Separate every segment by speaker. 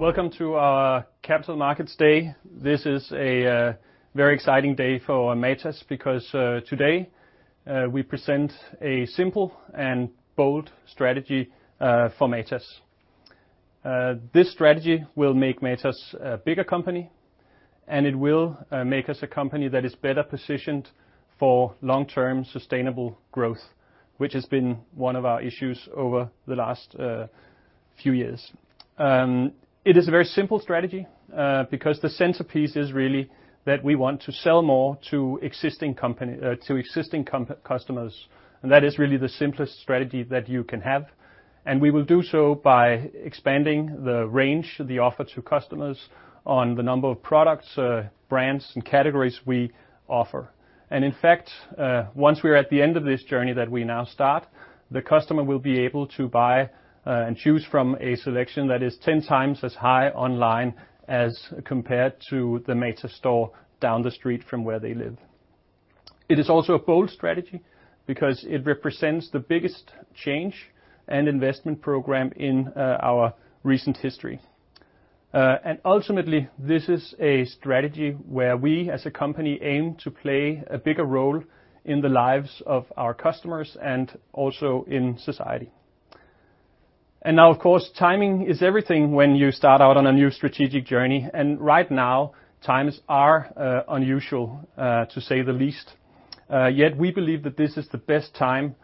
Speaker 1: Welcome to our Capital Markets Day. This is a very exciting day for Matas because today we present a simple and bold strategy for Matas. This strategy will make Matas a bigger company, and it will make us a company that is better positioned for long-term sustainable growth, which has been one of our issues over the last few years. It is a very simple strategy because the centerpiece is really that we want to sell more to existing customers, and that is really the simplest strategy that you can have. We will do so by expanding the range of the offer to customers on the number of products, brands, and categories we offer. In fact, once we are at the end of this journey that we now start, the customer will be able to buy and choose from a selection that is 10 times as high online as compared to the Matas store down the street from where they live. It is also a bold strategy because it represents the biggest change and investment program in our recent history. Ultimately, this is a strategy where we as a company aim to play a bigger role in the lives of our customers and also in society. Now, of course, timing is everything when you start out on a new strategic journey, and right now times are unusual to say the least. Yet we believe that this is the best time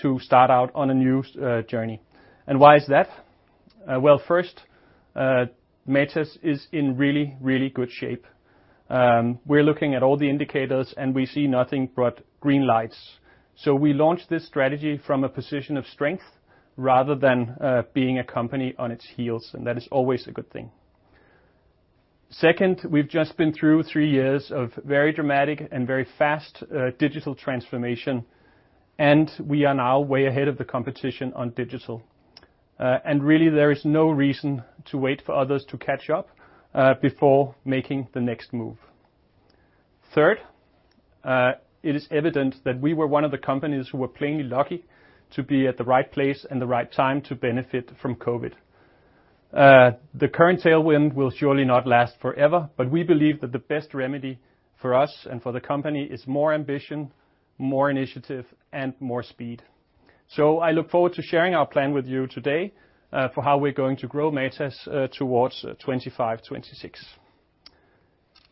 Speaker 1: to start out on a new journey. Why is that? Well, first, Matas is in really, really good shape. We're looking at all the indicators, and we see nothing but green lights. We launch this strategy from a position of strength rather than being a company on its heels, and that is always a good thing. Second, we've just been through three years of very dramatic and very fast digital transformation, and we are now way ahead of the competition on digital. Really there is no reason to wait for others to catch up before making the next move. Third, it is evident that we were one of the companies who were plainly lucky to be at the right place and the right time to benefit from COVID. The current tailwind will surely not last forever, but we believe that the best remedy for us and for the company is more ambition, more initiative, and more speed. I look forward to sharing our plan with you today for how we're going to grow Matas towards 2025, 2026.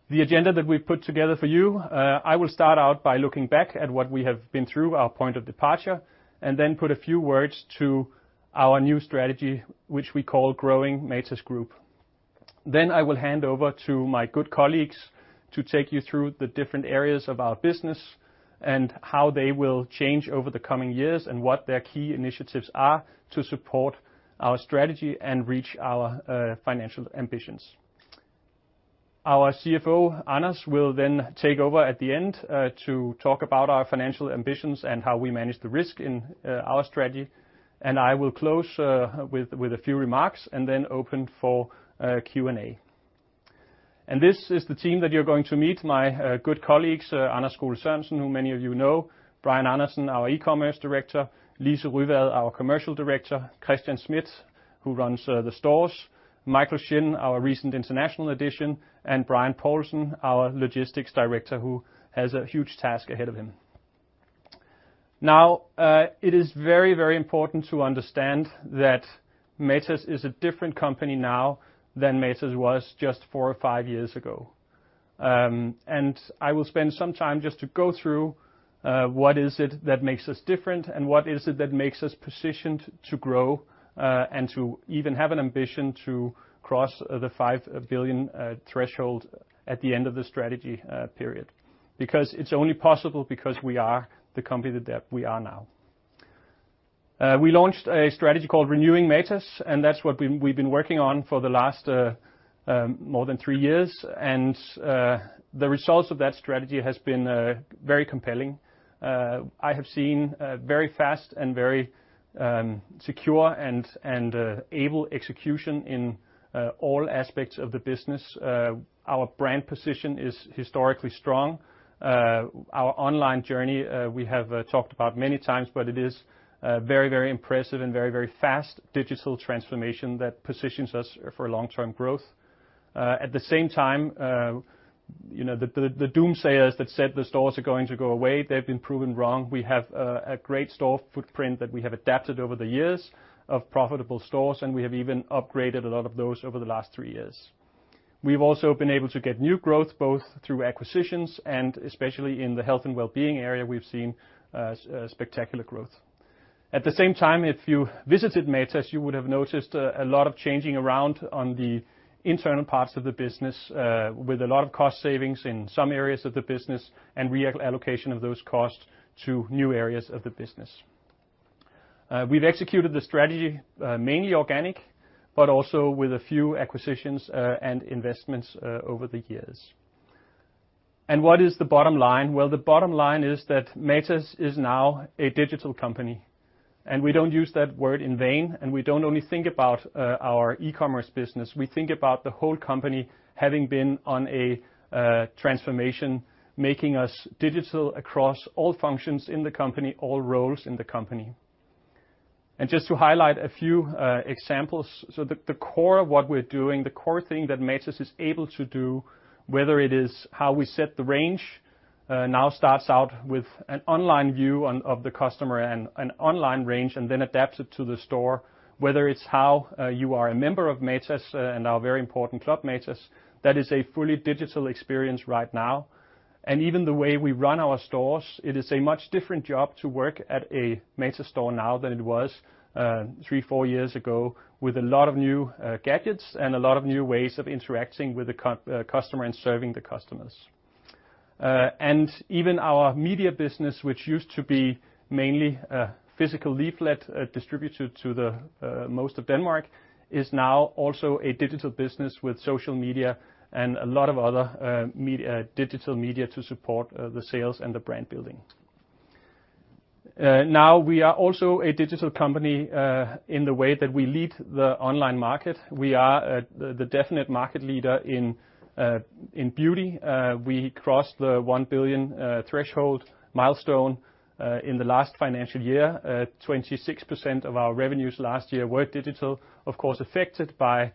Speaker 1: The agenda that we've put together for you, I will start out by looking back at what we have been through, our point of departure, and then put a few words to our new strategy, which we call Growing Matas Group. I will hand over to my good colleagues to take you through the different areas of our business and how they will change over the coming years and what their key initiatives are to support our strategy and reach our financial ambitions. Our CFO, Anders, will take over at the end to talk about our financial ambitions and how we manage the risk in our strategy, I will close with a few remarks and open for Q&A. This is the team that you're going to meet, my good colleagues, Anders Skole-Sørensen, who many of you know, Brian Andersen, our E-Commerce Director, Lise Ryevad, our Commercial Director, Christian Schmidt, who runs the stores, Michael Shin, our recent international addition, and Brian Poulsen, our Logistics Director, who has a huge task ahead of him. It is very, very important to understand that Matas is a different company now than Matas was just four or five years ago. I will spend some time just to go through what is it that makes us different and what is it that makes us positioned to grow, and to even have an ambition to cross the 5 billion threshold at the end of the strategy period. It's only possible because we are the company that we are now. We launched a strategy called Renewing Matas, and that's what we've been working on for the last more than three years, and the results of that strategy has been very compelling. I have seen very fast and very secure and able execution in all aspects of the business. Our brand position is historically strong. Our online journey we have talked about many times, but it is a very, very impressive and very, very fast digital transformation that positions us for long-term growth. At the same time, the doomsayers that said the stores are going to go away, they've been proven wrong. We have a great store footprint that we have adapted over the years of profitable stores, and we have even upgraded a lot of those over the last three years. We've also been able to get new growth both through acquisitions and especially in the health and wellbeing area, we've seen spectacular growth. At the same time, if you visited Matas, you would have noticed a lot of changing around on the internal parts of the business, with a lot of cost savings in some areas of the business and reallocation of those costs to new areas of the business. We've executed the strategy mainly organic, but also with a few acquisitions and investments over the years. What is the bottom line? Well, the bottom line is that Matas is now a digital company, and we don't use that word in vain, and we don't only think about our E-Commerce business. We think about the whole company having been on a transformation, making us digital across all functions in the company, all roles in the company. Just to highlight a few examples. The core of what we're doing, the core thing that Matas is able to do, whether it is how we set the range, now starts out with an online view of the customer and an online range and then adapts it to the store. Whether it's how you are a member of Matas and our very important Club Matas, that is a fully digital experience right now. Even the way we run our stores, it is a much different job to work at a Matas store now than it was three, four years ago, with a lot of new gadgets and a lot of new ways of interacting with the customer and serving the customers. Even our media business, which used to be mainly a physical leaflet distributed to the most of Denmark, is now also a digital business with social media and a lot of other digital media to support the sales and the brand building. We are also a digital company in the way that we lead the online market. We are the definite market leader in beauty. We crossed the 1 billion threshold milestone in the last financial year. 26% of our revenues last year were digital. Of course, affected by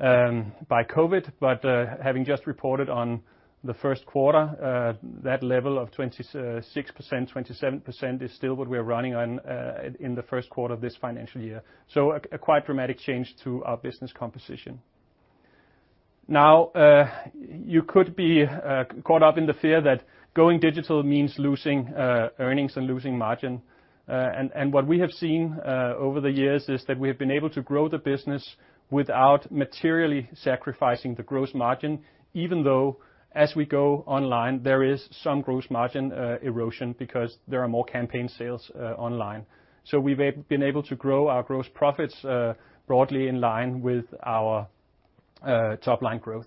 Speaker 1: COVID-19, but having just reported on the first quarter, that level of 26%, 27% is still what we're running on in the first quarter of this financial year. A quite dramatic change to our business composition. You could be caught up in the fear that going digital means losing earnings and losing margin. What we have seen over the years is that we have been able to grow the business without materially sacrificing the gross margin, even though as we go online, there is some gross margin erosion because there are more campaign sales online. We've been able to grow our gross profits broadly in line with our top-line growth.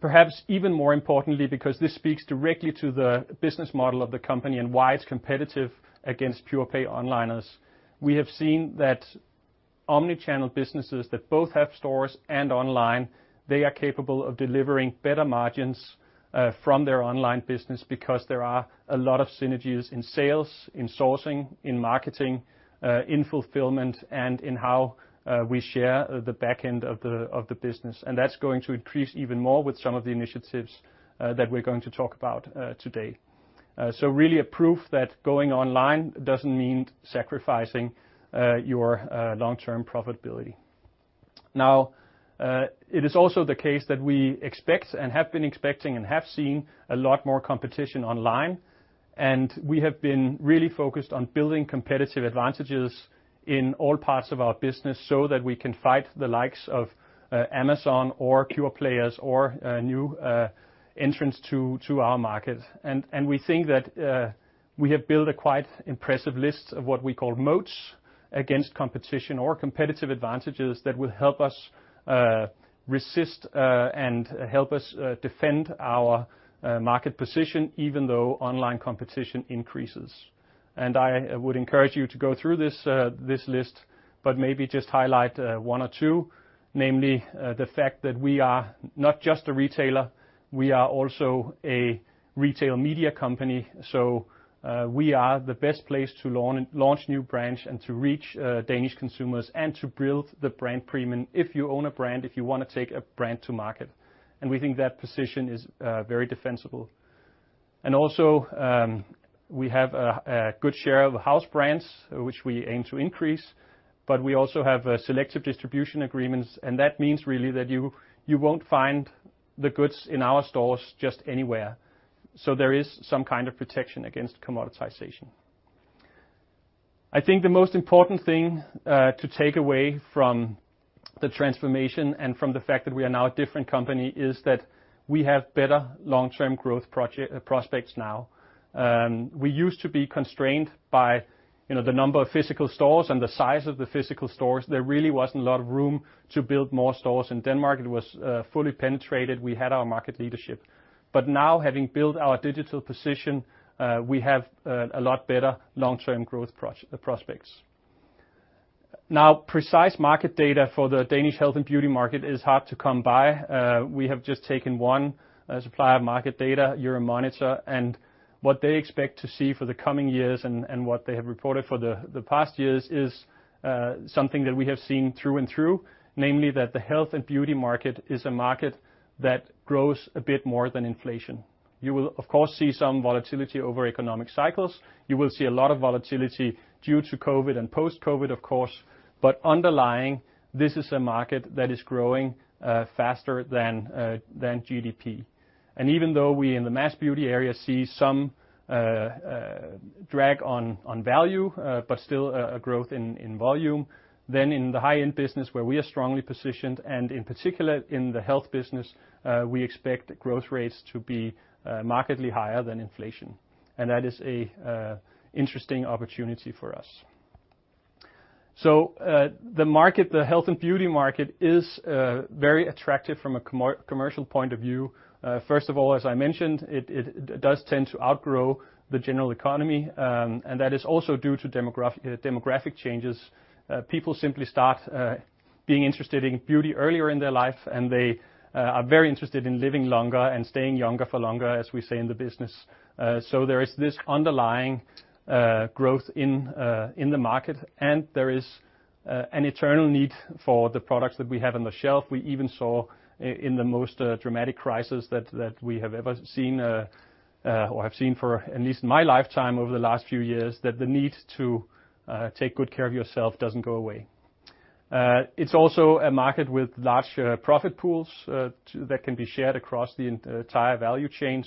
Speaker 1: Perhaps even more importantly, because this speaks directly to the business model of the company and why it's competitive against pure-play onliners, we have seen that omnichannel businesses that both have stores and online, they are capable of delivering better margins from their online business because there are a lot of synergies in sales, in sourcing, in marketing, in fulfillment, and in how we share the back end of the business. That's going to increase even more with some of the initiatives that we're going to talk about today. Really a proof that going online doesn't mean sacrificing your long-term profitability. Now, it is also the case that we expect and have been expecting and have seen a lot more competition online, and we have been really focused on building competitive advantages in all parts of our business so that we can fight the likes of Amazon or pure players or new entrants to our market. We think that we have built a quite impressive list of what we call moats against competition or competitive advantages that will help us resist and help us defend our market position, even though online competition increases. I would encourage you to go through this list, but maybe just highlight one or two, namely the fact that we are not just a retailer, we are also a retail media company. We are the best place to launch new brands and to reach Danish consumers and to build the brand premium if you own a brand, if you want to take a brand to market. We think that position is very defensible. Also we have a good share of house brands, which we aim to increase, but we also have selective distribution agreements, and that means really that you won't find the goods in our stores just anywhere. There is some kind of protection against commoditization. I think the most important thing to take away from the transformation and from the fact that we are now a different company is that we have better long-term growth prospects now. We used to be constrained by the number of physical stores and the size of the physical stores. There really wasn't a lot of room to build more stores in Denmark. It was fully penetrated. We had our market leadership. Now having built our digital position, we have a lot better long-term growth prospects. Now, precise market data for the Danish health and beauty market is hard to come by. We have just taken one supplier market data, Euromonitor, and what they expect to see for the coming years and what they have reported for the past years is something that we have seen through and through, namely that the health and beauty market is a market that grows a bit more than inflation. You will, of course, see some volatility over economic cycles. You will see a lot of volatility due to COVID and post-COVID, of course, but underlying, this is a market that is growing faster than GDP. Even though we in the mass beauty area see some drag on value, but still a growth in volume, then in the high-end business where we are strongly positioned and in particular in the health business, we expect growth rates to be markedly higher than inflation, and that is an interesting opportunity for us. The market, the health and beauty market, is very attractive from a commercial point of view. First of all, as I mentioned, it does tend to outgrow the general economy, and that is also due to demographic changes. People simply starting interested in beauty earlier in their life, and they are very interested in living longer and staying younger for longer, as we say in the business. There is this underlying growth in the market, and there is an eternal need for the products that we have on the shelf. We even saw in the most dramatic crisis that we have ever seen or have seen for at least my lifetime over the last few years, that the need to take good care of yourself doesn't go away. It's also a market with large profit pools that can be shared across the entire value chain.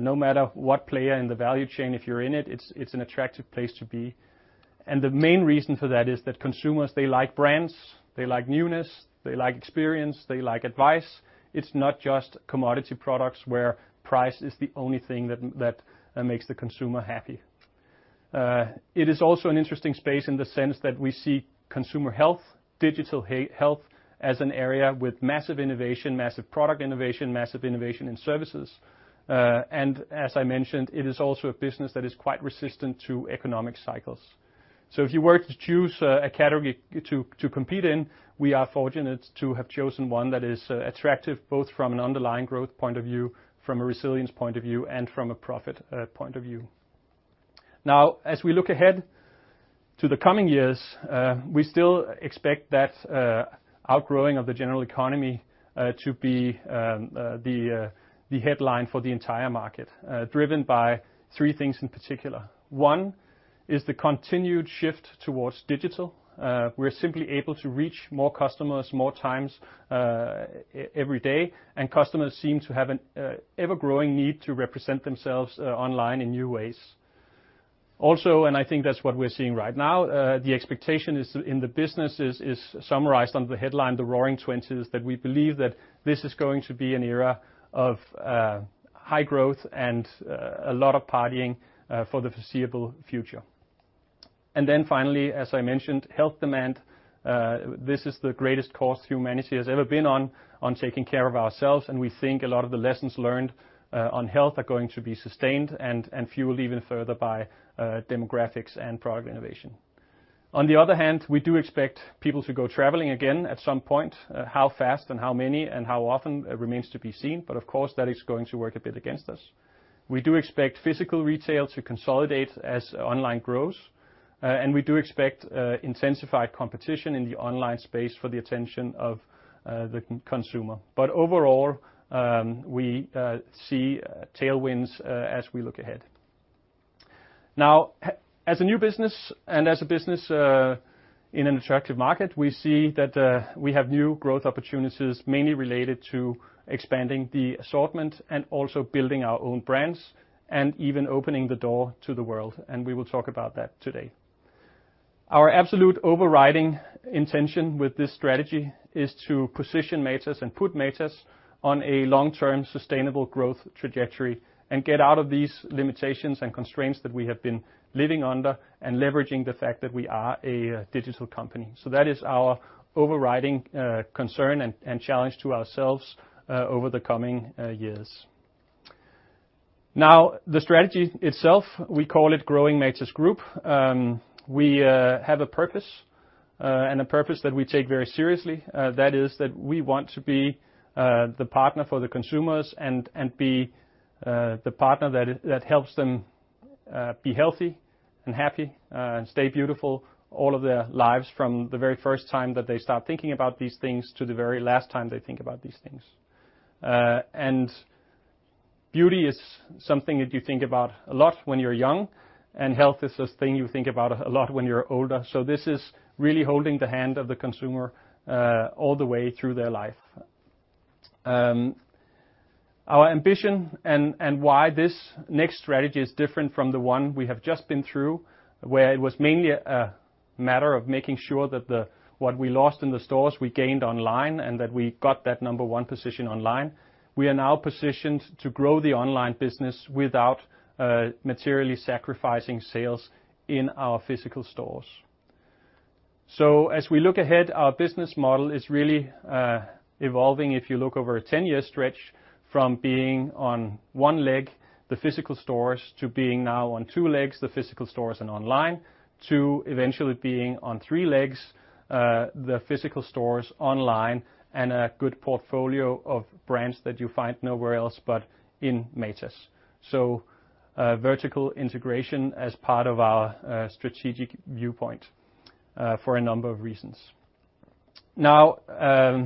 Speaker 1: No matter what player in the value chain, if you're in it's an attractive place to be. The main reason for that is that consumers, they like brands, they like newness, they like experience, they like advice. It's not just commodity products where price is the only thing that makes the consumer happy. It is also an interesting space in the sense that we see consumer health, digital health as an area with massive innovation, massive product innovation, massive innovation in services. As I mentioned, it is also a business that is quite resistant to economic cycles. If you were to choose a category to compete in, we are fortunate to have chosen one that is attractive, both from an an underlying growth point of view, from a resilience point of view, and from a profit point of view. Now as we look ahead to the coming years, we still expect that outgrowing of the general economy to be the headline for the entire market, driven by three things in particular. One is the continued shift towards digital. We're simply able to reach more customers more times every day, and customers seem to have an ever-growing need to represent themselves online in new ways. I think that's what we're seeing right now, the expectation in the business is summarized under the headline, the Roaring Twenties, that we believe that this is going to be an era of high growth and a lot of partying for the foreseeable future. As I mentioned, health demand, this is the greatest course humanity has ever been on taking care of ourselves, and we think a lot of the lessons learned on health are going to be sustained and fueled even further by demographics and product innovation. On the other hand, we do expect people to go traveling again at some point. How fast and how many and how often remains to be seen, but of course, that is going to work a bit against us. We do expect physical retail to consolidate as online grows, and we do expect intensified competition in the online space for the attention of the consumer. Overall, we see tailwinds as we look ahead. Now, as a new business and as a business in an attractive market, we see that we have new growth opportunities, mainly related to expanding the assortment and also building our own brands and even opening the door to the world, and we will talk about that today. Our absolute overriding intention with this strategy is to position Matas and put Matas on a long-term sustainable growth trajectory and get out of these limitations and constraints that we have been living under and leveraging the fact that we are a digital company. That is our overriding concern and challenge to ourselves over the coming years. The strategy itself, we call it Growing Matas Group. We have a purpose and a purpose that we take very seriously, that is that we want to be the partner for the consumers and be the partner that helps them be healthy and happy and stay beautiful all of their lives from the very first time that they start thinking about these things to the very last time they think about these things. Beauty is something that you think about a lot when you're young, and health is a thing you think about a lot when you're older. This is really holding the hand of the consumer all the way through their life. Our ambition and why this next strategy is different from the one we have just been through, where it was mainly a matter of making sure that what we lost in the stores we gained online, and that we got that number one position online. We are now positioned to grow the online business without materially sacrificing sales in our physical stores. As we look ahead, our business model is really evolving. If you look over a 10-year stretch from being on one leg, the physical stores, to being now on two legs, the physical stores and online, to eventually being on three legs, the physical stores, online, and a good portfolio of brands that you find nowhere else but in Matas. Vertical integration as part of our strategic viewpoint for a number of reasons. I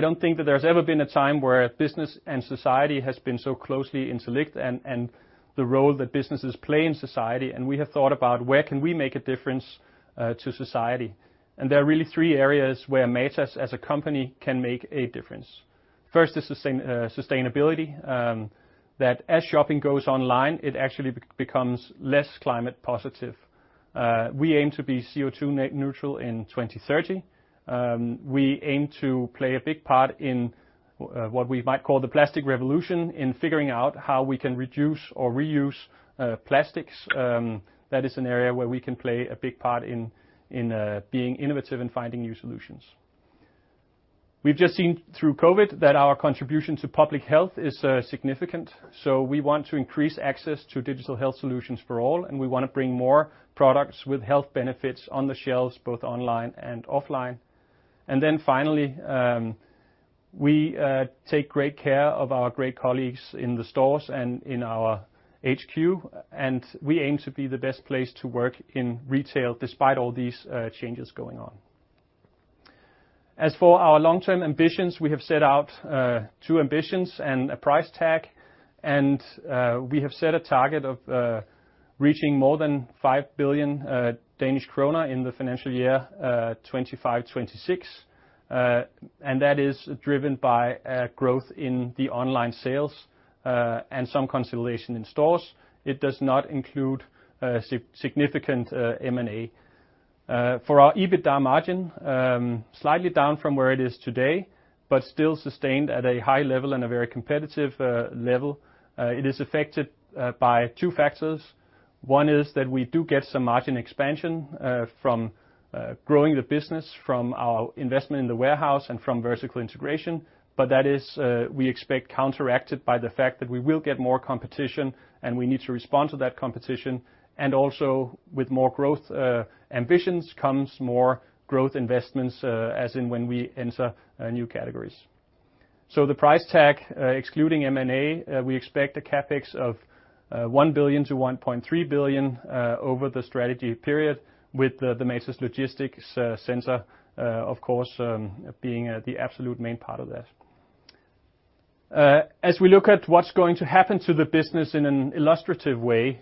Speaker 1: don't think that there's ever been a time where business and society has been so closely interlinked and the role that businesses play in society, and we have thought about where can we make a difference to society. There are really three areas where Matas as a company can make a difference. First is sustainability, that as shopping goes online, it actually becomes less climate positive. We aim to be CO2 neutral in 2030. We aim to play a big part in what we might call the plastic revolution in figuring out how we can reduce or reuse plastics. That is an area where we can play a big part in being innovative and finding new solutions. We've just seen through COVID that our contribution to public health is significant. We want to increase access to digital health solutions for all, and we want to bring more products with health benefits on the shelves, both online and offline. Finally, we take great care of our great colleagues in the stores and in our HQ. We aim to be the best place to work in retail despite all these changes going on. As for our long-term ambitions, we have set out two ambitions and a price tag. We have set a target of reaching more than 5 billion Danish krone in the financial year 2025, 2026. That is driven by growth in the online sales, and some consolidation in stores. It does not include significant M&A. For our EBITDA margin, slightly down from where it is today, but still sustained at a high level and a very competitive level. It is affected by two factors. One is that we do get some margin expansion from growing the business from our investment in the warehouse and from vertical integration, but that is, we expect, counteracted by the fact that we will get more competition and we need to respond to that competition, and also with more growth ambitions comes more growth investments as in when we enter new categories. The price tag, excluding M&A, we expect a CapEx of 1 billion-1.3 billion over the strategy period with the Matas Logistics Center, of course, being the absolute main part of that. As we look at what's going to happen to the business in an illustrative way,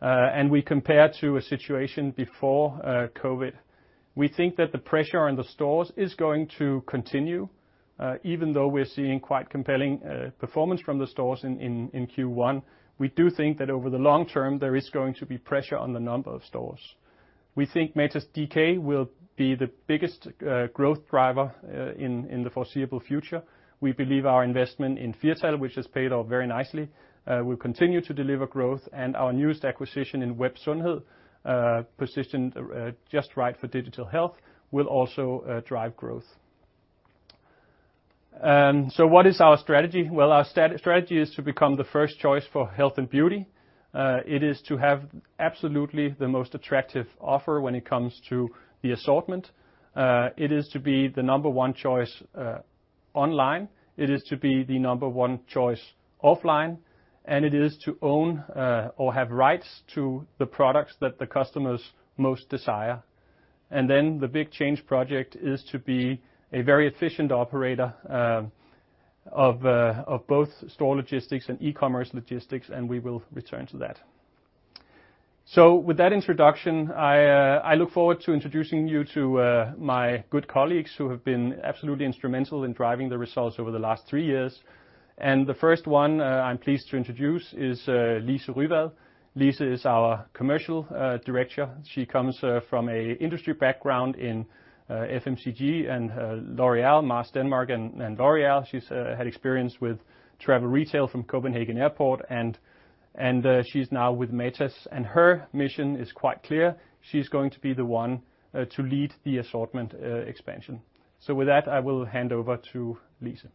Speaker 1: and we compare to a situation before COVID-19, we think that the pressure on the stores is going to continue even though we're seeing quite compelling performance from the stores in Q1. We do think that over the long term, there is going to be pressure on the number of stores. We think Matas DK will be the biggest growth driver in the foreseeable future. We believe our investment in Firtal, which has paid off very nicely, will continue to deliver growth and our newest acquisition in Web Sundhed, positioned just right for digital health, will also drive growth. What is our strategy? Well, our strategy is to become the first choice for health and beauty. It is to have absolutely the most attractive offer when it comes to the assortment. It is to be the number one choice online. It is to be the number one choice offline, and it is to own or have rights to the products that the customers most desire. The big change project is to be a very efficient operator of both store logistics and e-commerce logistics, and we will return to that. With that introduction, I look forward to introducing you to my good colleagues who have been absolutely instrumental in driving the results over the last three years. The first one I'm pleased to introduce is Lise Ryevad. Lise is our Commercial Director. She comes from an industry background in FMCG and L'Oréal, Mars Danmark, and L'Oréal. She's had experience with travel retail from Copenhagen Airport, and she's now with Matas, and her mission is quite clear. She's going to be the one to lead the assortment expansion. With that, I will hand over to Lise.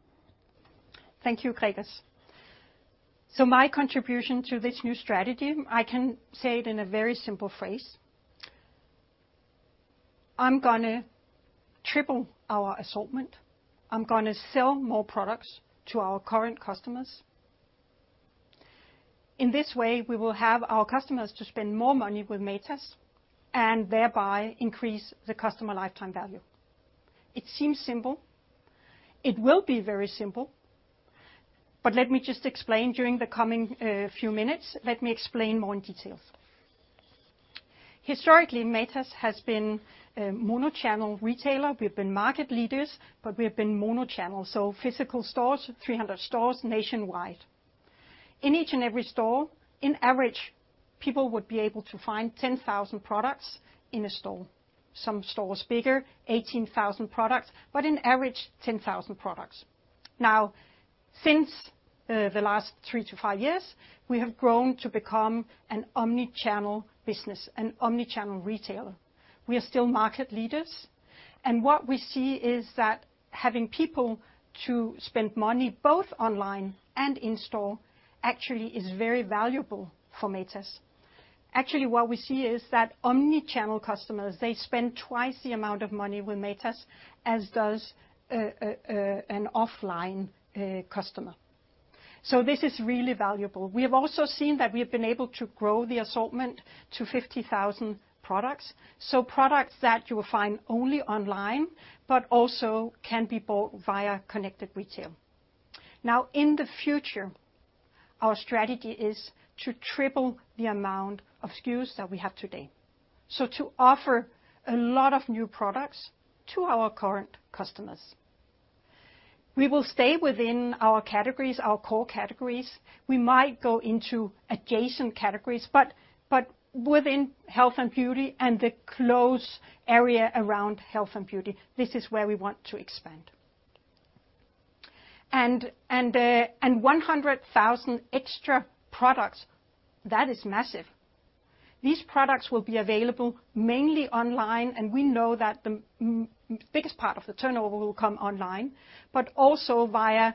Speaker 2: Thank you, Gregers. My contribution to this new strategy, I can say it in a very simple phrase. I'm going to triple our assortment. I'm going to sell more products to our current customers. In this way, we will have our customers to spend more money with Matas, and thereby increase the customer lifetime value. It seems simple. It will be very simple, let me just explain during the coming few minutes. Let me explain more in details. Historically, Matas has been a mono-channel retailer. We've been market leaders, we have been mono-channel, physical stores, 300 stores nationwide. In each and every store, on average, people would be able to find 10,000 products in a store. Some stores bigger, 18,000 products, on average, 10,000 products. Since the last three to five years, we have grown to become an omnichannel business, an omnichannel retailer. What we see is that having people to spend money both online and in store actually is very valuable for Matas. Actually, what we see is that omni-channel customers, they spend twice the amount of money with Matas as does an offline customer. This is really valuable. We have also seen that we have been able to grow the assortment to 50,000 products. Products that you will find only online, but also can be bought via connected retail. Now, in the future, our strategy is to triple the amount of SKUs that we have today. To offer a lot of new products to our current customers. We will stay within our categories, our core categories. We might go into adjacent categories, but within health and beauty and the close area around health and beauty, this is where we want to expand. 100,000 extra products, that is massive. These products will be available mainly online, and we know that the biggest part of the turnover will come online, but also via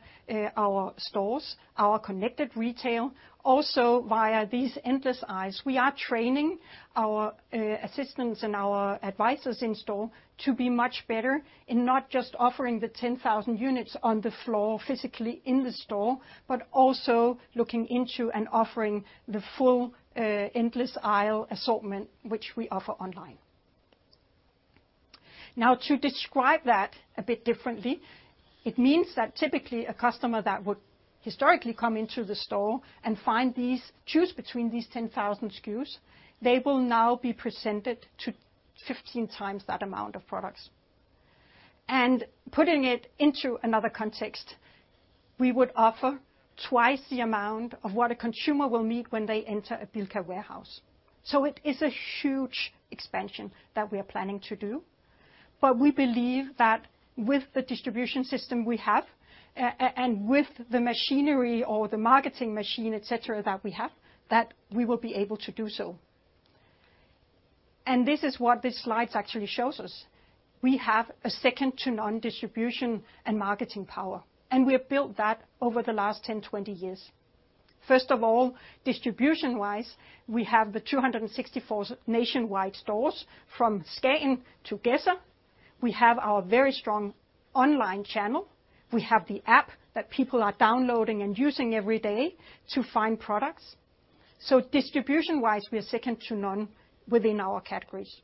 Speaker 2: our stores, our connected retail, also via these endless aisles. We are training our assistants and our advisors in-store to be much better in not just offering the 10,000 units on the floor physically in the store, but also looking into and offering the full endless aisle assortment which we offer online. Now, to describe that a bit differently, it means that typically a customer that would historically come into the store and choose between these 10,000 SKUs, they will now be presented to 15x that amount of products. Putting it into another context, we would offer twice the amount of what a consumer will meet when they enter a Bilka warehouse. It is a huge expansion that we are planning to do. We believe that with the distribution system we have and with the machinery or the marketing machine, et cetera, that we have, that we will be able to do so. This is what this slide actually shows us. We have a second to none distribution and marketing power, and we have built that over the last 10, 20 years. First of all, distribution-wise, we have the 264 nationwide stores from Skagen to Gedser. We have our very strong online channel. We have the app that people are downloading and using every day to find products. Distribution-wise, we are second to none within our categories.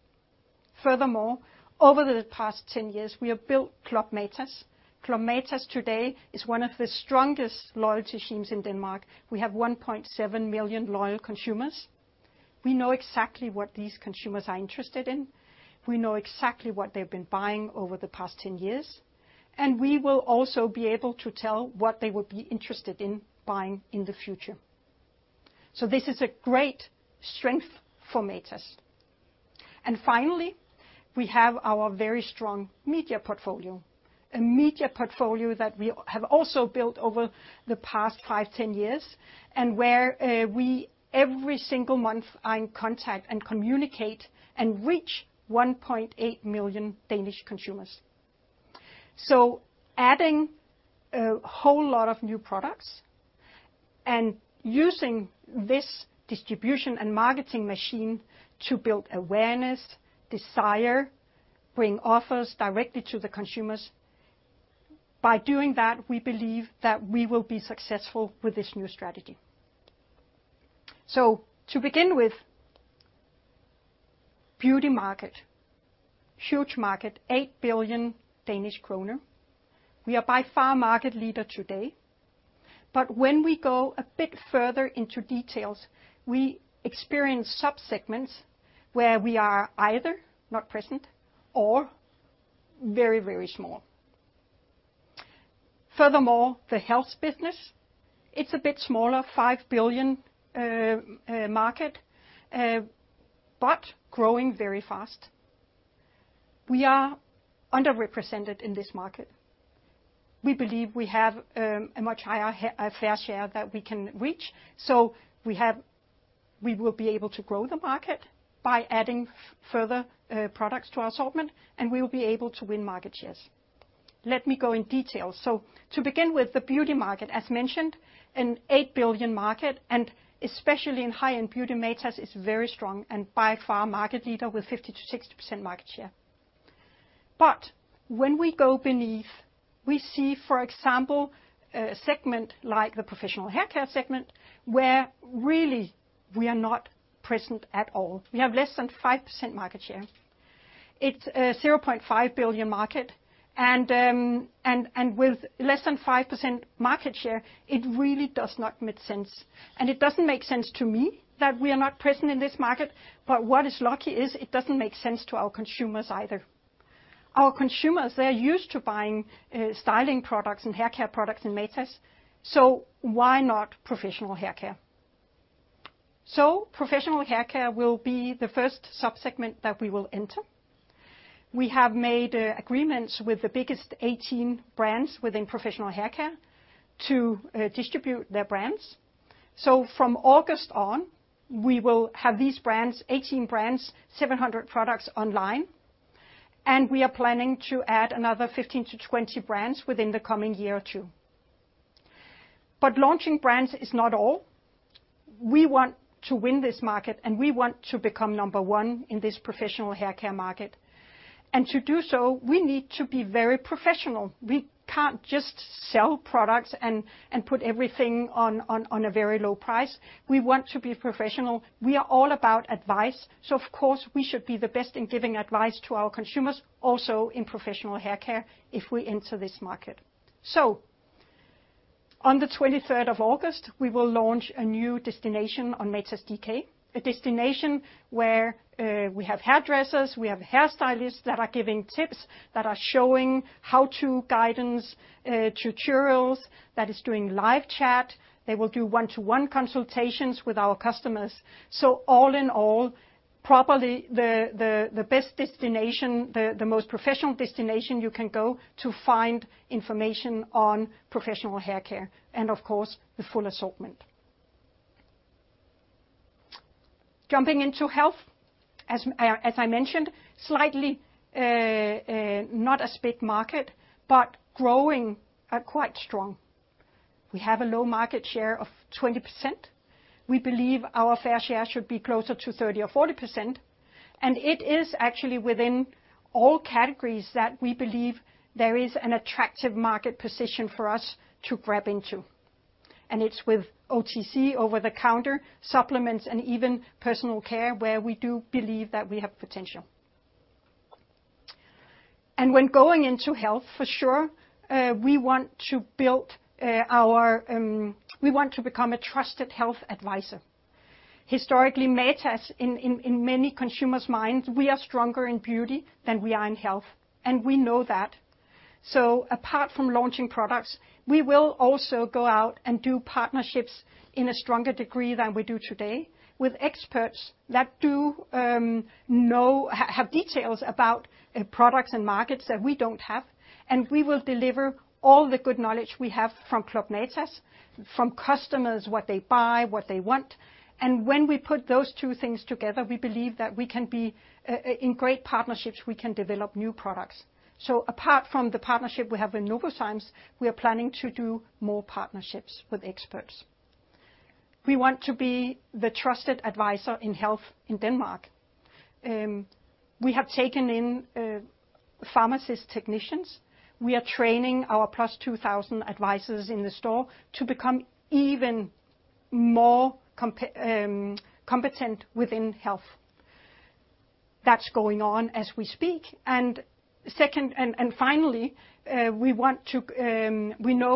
Speaker 2: Furthermore, over the past 10 years, we have built Club Matas. Club Matas today is one of the strongest loyalty schemes in Denmark. We have 1.7 million loyal consumers. We know exactly what these consumers are interested in. We know exactly what they've been buying over the past 10 years, and we will also be able to tell what they will be interested in buying in the future. This is a great strength for Matas. Finally, we have our very strong media portfolio, a media portfolio that we have also built over the past five, 10 years, and where we every single month are in contact and communicate and reach 1.8 million Danish consumers. Adding a whole lot of new products and using this distribution and marketing machine to build awareness, desire, bring offers directly to the consumers, by doing that, we believe that we will be successful with this new strategy. To begin with, beauty market, huge market, 8 billion Danish kroner. We are by far market leader today. When we go a bit further into details, we experience sub-segments where we are either not present or very, very small. Furthermore, the health business, it's a bit smaller, 5 billion market, but growing very fast. We are underrepresented in this market. We believe we have a much higher fair share that we can reach. We will be able to grow the market by adding further products to our assortment, and we will be able to win market shares. Let me go in detail. To begin with, the beauty market, as mentioned, a 8 billion market, and especially in high-end beauty, Matas is very strong and by far market leader with 50%-60% market share. When we go beneath, we see, for example, a segment like the professional haircare segment, where really we are not present at all. We have less than 5% market share. It's a 0.5 billion market, and with less than 5% market share, it really does not make sense. It doesn't make sense to me that we are not present in this market. What is lucky is it doesn't make sense to our consumers either. Our consumers, they're used to buying styling products and haircare products in Matas. Why not professional haircare? Professional haircare will be the first sub-segment that we will enter. We have made agreements with the biggest 18 brands within professional haircare to distribute their brands. From August on, we will have these brands, 18 brands, 700 products online, we are planning to add another 15-20 brands within the coming year or two. Launching brands is not all. We want to win this market, we want to become number one in this professional haircare market. To do so, we need to be very professional. We can't just sell products and put everything on a very low price. We want to be professional. We are all about advice, so of course, we should be the best in giving advice to our consumers, also in professional haircare if we enter this market. On the August 23rd, we will launch a new destination on matas.dk, a destination where we have hairdressers, we have hairstylists that are giving tips, that are showing how-to guidance, tutorials, that is doing live chat. They will do one-to-one consultations with our customers. All in all, probably the best destination, the most professional destination you can go to find information on professional haircare and, of course, the full assortment. Jumping into health, as I mentioned, slightly not as big market, but growing quite strong. We have a low market share of 20%. We believe our fair share should be closer to 30% or 40%, and it is actually within all categories that we believe there is an attractive market position for us to grab into. It's with OTC, over-the-counter, supplements, and even personal care, where we do believe that we have potential. When going into health, for sure, we want to become a trusted health advisor. Historically, Matas, in many consumers' minds, we are stronger in beauty than we are in health, and we know that. Apart from launching products, we will also go out and do partnerships in a stronger degree than we do today with experts that have details about products and markets that we don't have, and we will deliver all the good knowledge we have from Club Matas, from customers, what they buy, what they want. When we put those two things together, we believe that we can be in great partnerships, we can develop new products. Apart from the partnership we have with Novozymes, we are planning to do more partnerships with experts. We want to be the trusted advisor in health in Denmark. We have taken in pharmacist technicians. We are training our +2,000 advisors in the store to become even more competent within health. That's going on as we speak. We know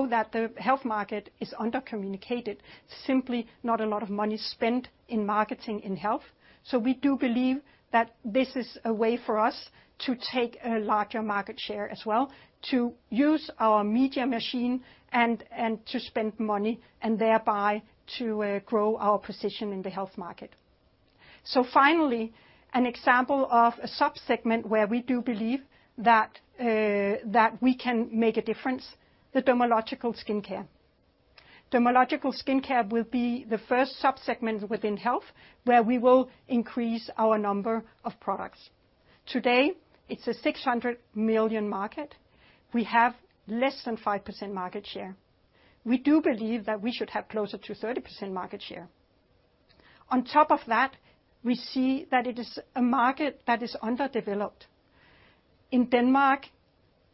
Speaker 2: that the health market is under-communicated, simply not a lot of money spent in marketing in health. We do believe that this is a way for us to take a larger market share as well, to use our media machine and to spend money, and thereby, to grow our position in the health market. An example of a sub-segment where we do believe that we can make a difference, the dermatological skincare. Dermatological skincare will be the first sub-segment within health where we will increase our number of products. Today, it's a 600 million market. We have less than 5% market share. We do believe that we should have closer to 30% market share. On top of that, we see that it is a market that is underdeveloped. In Denmark,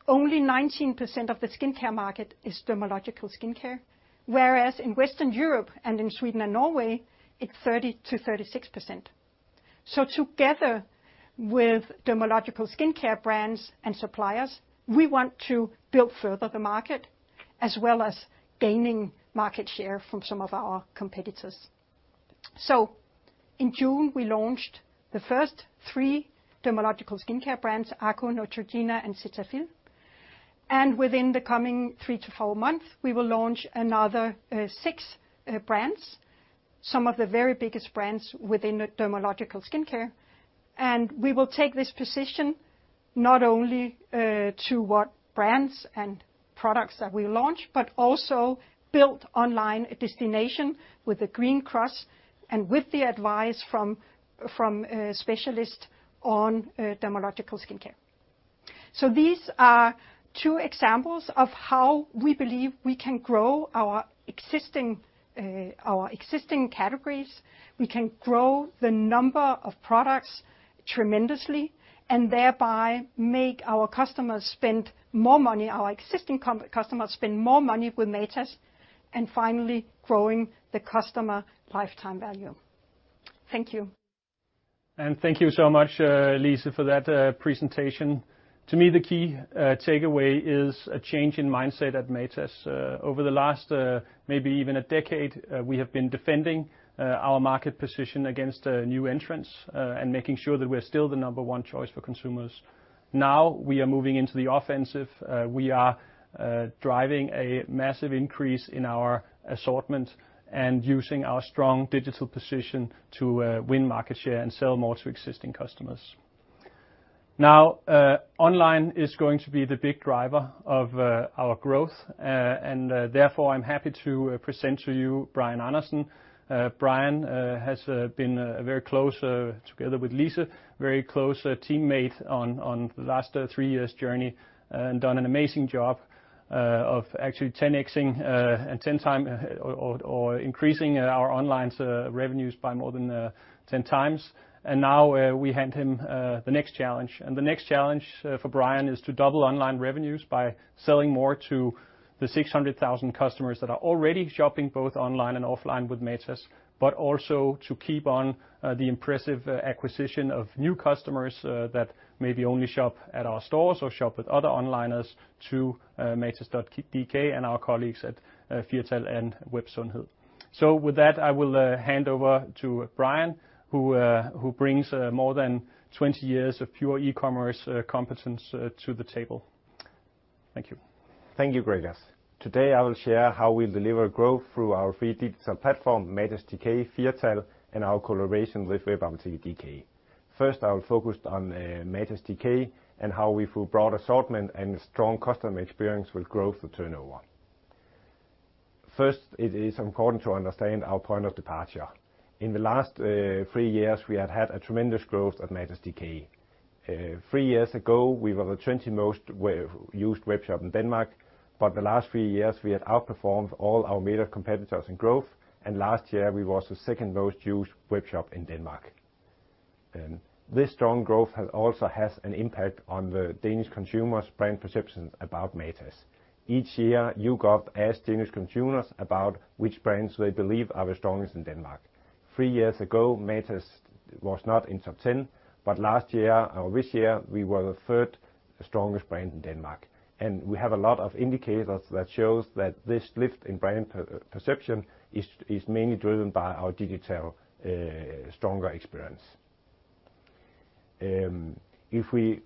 Speaker 2: only 19% of the skincare market is dermatological skincare, whereas in Western Europe and in Sweden and Norway, it is 30%-36%. Together with dermatological skincare brands and suppliers, we want to build further the market, as well as gaining market share from some of our competitors. In June, we launched the first three dermatological skincare brands, CeraVe, Neutrogena, and Cetaphil. Within the coming three to four months, we will launch another six brands, some of the very biggest brands within dermatological skincare. We will take this position not only to what brands and products that we launch, but also build online a destination with a green cross and with the advice from a specialist on dermatological skincare. These are two examples of how we believe we can grow our existing categories. We can grow the number of products tremendously and thereby make our customers spend more money, our existing customers spend more money with Matas, and finally, growing the customer lifetime value. Thank you.
Speaker 1: Thank you so much, Lise, for that presentation. To me, the key takeaway is a change in mindset at Matas. Over the last maybe even a decade, we have been defending our market position against new entrants, and making sure that we're still the number one choice for consumers. Now we are moving into the offensive. We are driving a massive increase in our assortment and using our strong digital position to win market share and sell more to existing customers. Now, online is going to be the big driver of our growth, and therefore, I'm happy to present to you Brian Andersen. Brian has been very close, together with Lise, very close teammate on the last three years' journey, and done an amazing job of actually 10x-ing or increasing our online revenues by more than 10x. Now we hand him the next challenge, and the next challenge for Brian is to double online revenues by selling more to the 600,000 customers that are already shopping both online and offline with Matas, but also to keep on the impressive acquisition of new customers that maybe only shop at our stores or shop with other onliners to matas.dk and our colleagues at Firtal and WebSundhed. With that, I will hand over to Brian, who brings more than 20 years of pure e-commerce competence to the table.
Speaker 3: Thank you, Gregers. Today, I will share how we deliver growth through our free digital platform, matas.dk, Firtal, and our collaboration with webapoteket.dk. First, I will focus on matas.dk and how we, through broad assortment and strong customer experience, will grow the turnover. First, it is important to understand our point of departure. In the last three years, we have had a tremendous growth at matas.dk. Three years ago, we were the 20 most used webshop in Denmark, the last three years, we have outperformed all our major competitors in growth, and last year we was the second most used webshop in Denmark. This strong growth also has an impact on the Danish consumers' brand perceptions about Matas. Each year, YouGov asks Danish consumers about which brands they believe are the strongest in Denmark. Three years ago, Matas was not in top 10, but last year or this year, we were the third strongest brand in Denmark. We have a lot of indicators that shows that this lift in brand perception is mainly driven by our digital, stronger experience. If we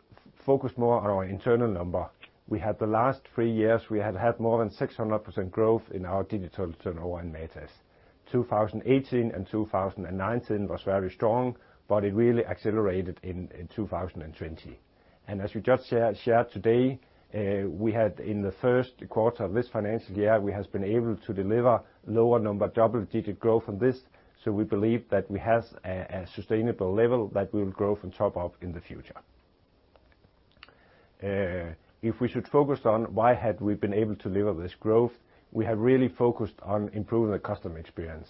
Speaker 3: focus more on our internal number, we had the last three years, we have had more than 600% growth in our digital turnover in Matas. 2018 and 2019 was very strong, but it really accelerated in 2020. As we just shared today, we had in the first quarter of this financial year, we have been able to deliver lower number double-digit growth on this, so we believe that we have a sustainable level that will grow from top up in the future. If we should focus on why have we been able to deliver this growth, we have really focused on improving the customer experience.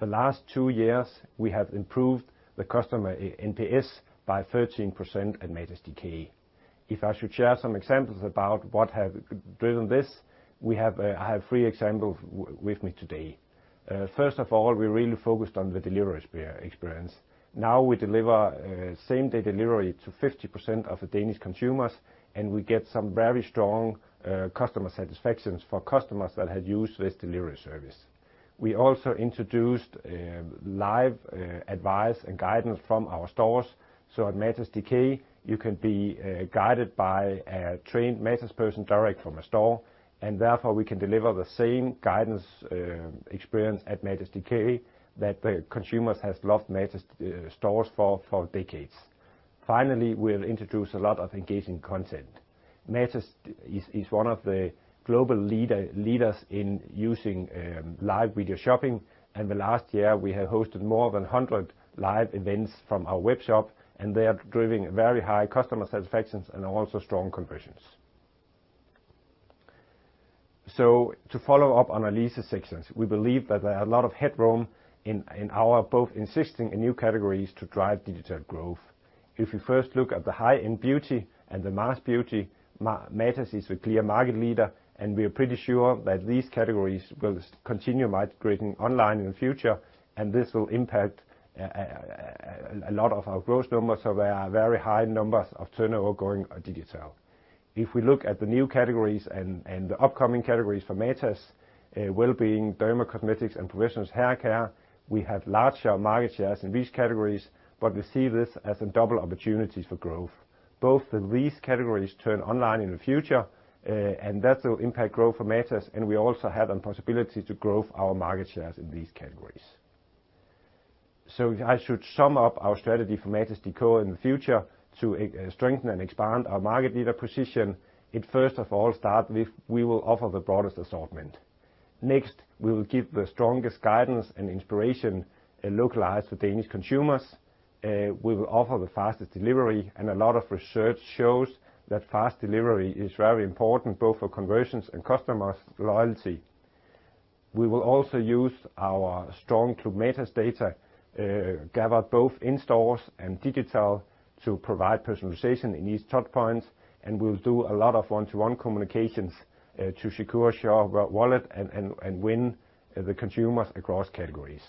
Speaker 3: The last two years, we have improved the customer NPS by 13% at matas.dk. If I should share some examples about what have driven this, I have three examples with me today. First of all, we really focused on the delivery experience. Now we deliver same-day delivery to 50% of the Danish consumers, and we get some very strong customer satisfactions for customers that have used this delivery service. We also introduced live advice and guidance from our stores. At matas.dk, you can be guided by a trained Matas person direct from a store, and therefore we can deliver the same guidance experience at matas.dk that the consumers has loved Matas stores for decades. Finally, we'll introduce a lot of engaging content. Matas is one of the global leaders in using live video shopping, and the last year we have hosted more than 100 live events from our webshop, and they are driving very high customer satisfactions and also strong conversions. To follow up on Lise's sections, we believe that there are a lot of headroom in our both existing and new categories to drive digital growth. If we first look at the high-end beauty and the mass beauty, Matas is a clear market leader, and we are pretty sure that these categories will continue migrating online in the future, and this will impact a lot of our growth numbers. There are very high numbers of turnover going digital. If we look at the new categories and the upcoming categories for Matas, wellbeing, dermacosmetics, and professionals haircare, we have larger market shares in these categories, but we see this as a double opportunity for growth, both that these categories turn online in the future, and that will impact growth for Matas, and we also have a possibility to grow our market shares in these categories. If I should sum up our strategy for matas.dk in the future to strengthen and expand our market leader position, it first of all start with we will offer the broadest assortment. Next, we will give the strongest guidance and inspiration localized for Danish consumers. We will offer the fastest delivery, and a lot of research shows that fast delivery is very important both for conversions and customers' loyalty. We will also use our strong Club Matas data, gathered both in stores and digital, to provide personalization in each touchpoint. We'll do a lot of one-to-one communications to secure share wallet and win the consumers across categories.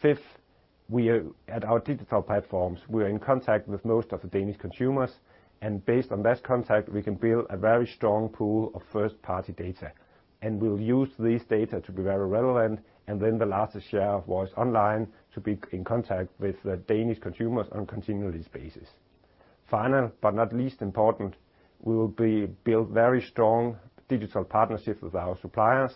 Speaker 3: Fifth, at our digital platforms, we are in contact with most of the Danish consumers. Based on that contact, we can build a very strong pool of first-party data. We'll use this data to be very relevant and win the largest share of voice online to be in contact with the Danish consumers on a continuously basis. Final, but not least important, we will build very strong digital partnerships with our suppliers.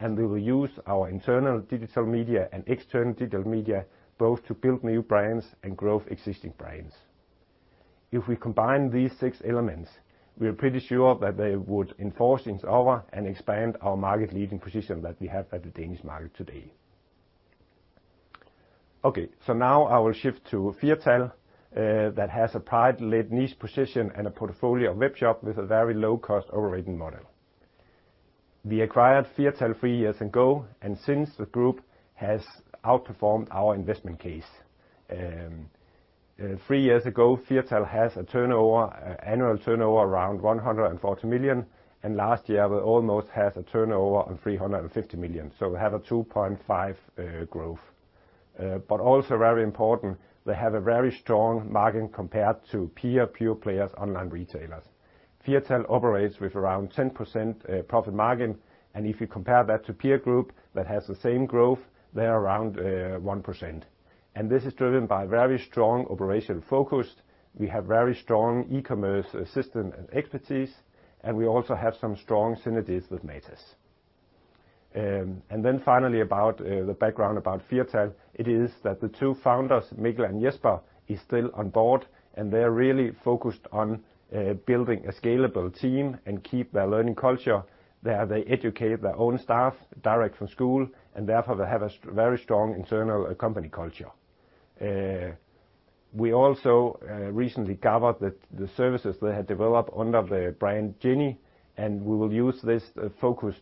Speaker 3: We will use our internal digital media and external digital media both to build new brands and grow existing brands. If we combine these six elements, we are pretty sure that they would enforce each other and expand our market-leading position that we have at the Danish market today. Okay, now I will shift to Firtal, that has a price-led niche position and a portfolio of webshop with a very low-cost operating model. We acquired Firtal three years ago, since, the group has outperformed our investment case. Three years ago, Firtal has a annual turnover around 140 million, last year we almost has a turnover on 350 million. We have a 2.5x growth. Also very important, they have a very strong margin compared to peer pure-players online retailers. Firtal operates with around 10% profit margin, if you compare that to peer group that has the same growth, they're around 1%. This is driven by very strong operational focus. We have very strong e-commerce system and expertise, and we also have some strong synergies with Matas. Finally, about the background about Firtal, it is that the two founders, Mikkel and Jesper, are still on board, and they're really focused on building a scalable team and keep their learning culture. They educate their own staff directly from school, and therefore they have a very strong internal company culture. We also recently covered the services they had developed under the brand Geni, and we will use this focused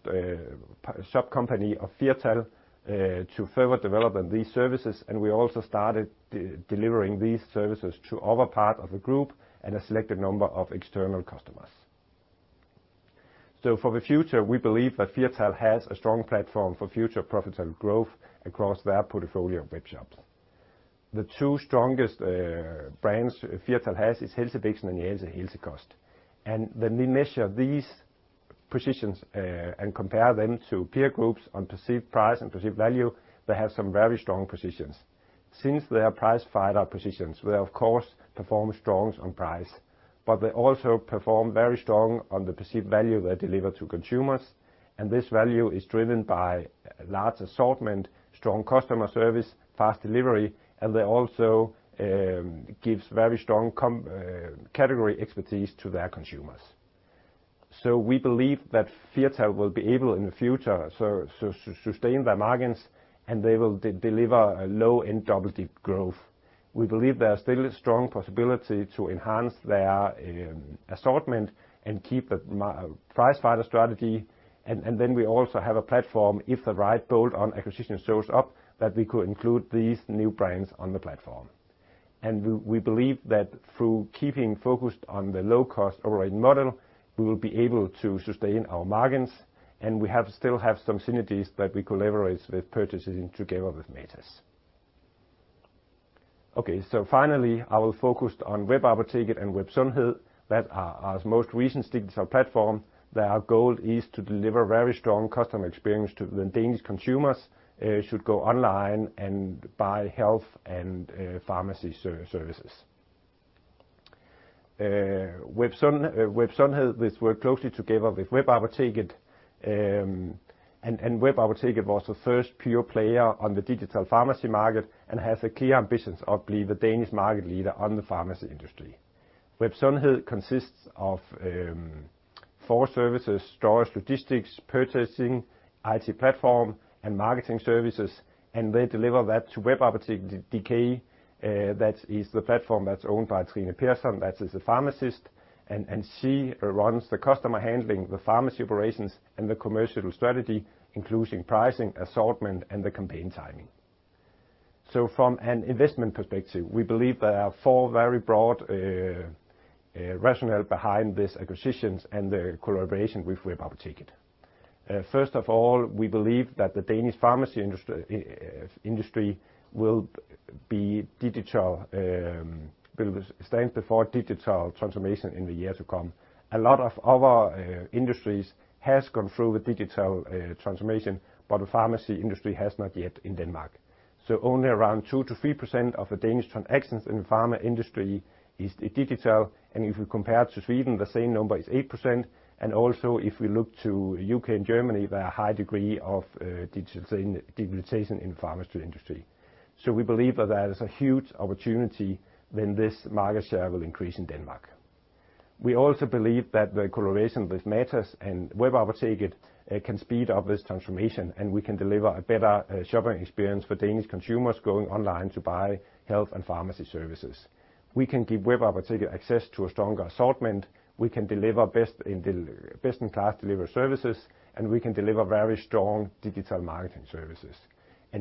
Speaker 3: shop company of Firtal to further develop these services. We also started delivering these services to other parts of the group and a selected number of external customers. For the future, we believe that Firtal has a strong platform for future profitable growth across their portfolio of webshops. The two strongest brands Firtal has are Helsebixen and Jala Helsekost. When we measure these positions and compare them to peer groups on perceived price and perceived value, they have some very strong positions. Since they are price fighter positions, they of course perform strong on price, but they also perform very strong on the perceived value they deliver to consumers. This value is driven by large assortment, strong customer service, fast delivery, and they also give very strong category expertise to their consumers. We believe that Firtal will be able, in the future, to sustain their margins and they will deliver a low and double-digit growth. We believe there's still a strong possibility to enhance their assortment and keep the price fighter strategy. We also have a platform if the right bolt-on acquisition shows up, that we could include these new brands on the platform. We believe that through keeping focused on the low-cost operating model, we will be able to sustain our margins, and we still have some synergies that we collaborate with purchasing together with Matas. Finally, I will focus on Webapoteket and Web Sundhed, that are our most recent digital platform. Our goal is to deliver a very strong customer experience to the Danish consumers should go online and buy health and pharmacy services. Web Sundhed has worked closely together with Webapoteket, and Webapoteket was the first pure player on the digital pharmacy market and has a clear ambition of being the Danish market leader in the pharmacy industry. Web Sundhed consists of four services: storage, logistics, purchasing, IT platform, and marketing services, and they deliver that to webapoteket.dk. That is the platform that's owned by Trine Persson, that is a pharmacist, and she runs the customer handling, the pharmacy operations, and the commercial strategy, including pricing, assortment, and the campaign timing. From an investment perspective, we believe there are four very broad rationales behind these acquisitions and the collaboration with Webapoteket. First of all, we believe that the Danish pharmacy industry will stand before digital transformation in the years to come. A lot of other industries have gone through the digital transformation, but the pharmacy industry has not yet in Denmark. Only around 2%-3% of the Danish transactions in the pharma industry is digital. If we compare to Sweden, the same number is 8%. Also, if we look to U.K. and Germany, there are a high degree of digitalization in the pharmacy industry. We believe that there is a huge opportunity when this market share will increase in Denmark. We also believe that the collaboration with Matas and Webapoteket can speed up this transformation, and we can deliver a better shopping experience for Danish consumers going online to buy health and pharmacy services. We can give Webapoteket access to a stronger assortment, we can deliver best-in-class delivery services, and we can deliver very strong digital marketing services.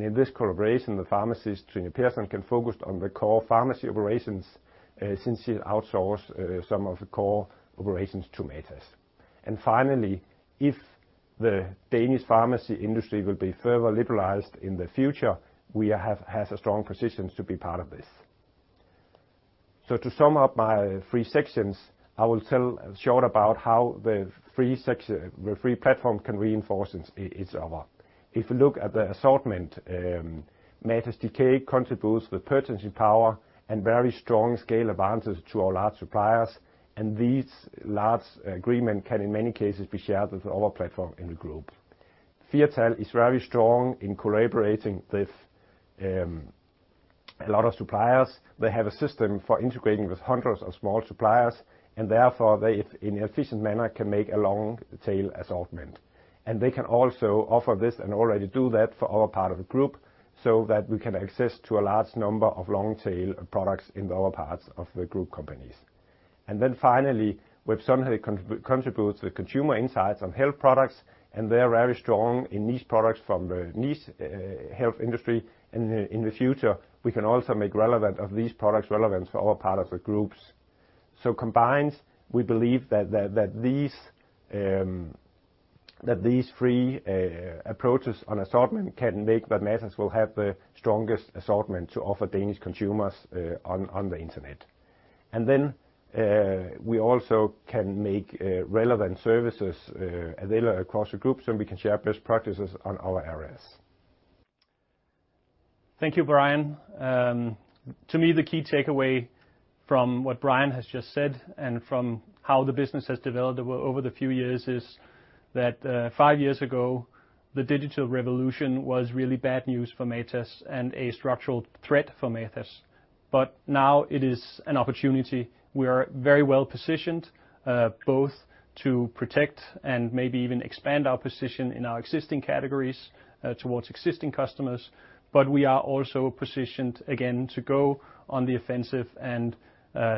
Speaker 3: In this collaboration, the pharmacist, Trine Persson, can focus on the core pharmacy operations since she outsourced some of the core operations to Matas. Finally, if the Danish pharmacy industry will be further liberalized in the future, we have a strong position to be part of this. To sum up my three sections, I will tell shortly about how the three platforms can reinforce each other. If you look at the assortment, Matas DK contributes the purchasing power and very strong scale advantages to our large suppliers. These large agreements can, in many cases, be shared with the other platform in the group. Firtal is very strong in collaborating with a lot of suppliers. They have a system for integrating with hundreds of small suppliers. Therefore they, in an efficient manner, can make a long tail assortment. They can also offer this and already do that for other parts of the group so that we can access to a large number of long-tail products in the other parts of the group companies. Finally, Web Sundhed contributes the consumer insights on health products. They're very strong in niche products from the niche health industry. In the future, we can also make these products relevant for other parts of the group. Combined, we believe that these three approaches on assortment can make that Matas will have the strongest assortment to offer Danish consumers on the internet. We also can make relevant services available across the group we can share best practices on our areas.
Speaker 1: Thank you, Brian. To me, the key takeaway from what Brian has just said and from how the business has developed over the few years is that, five years ago, the digital revolution was really bad news for Matas and a structural threat for Matas. Now it is an opportunity. We are very well-positioned, both to protect and maybe even expand our position in our existing categories towards existing customers, but we are also positioned again to go on the offensive and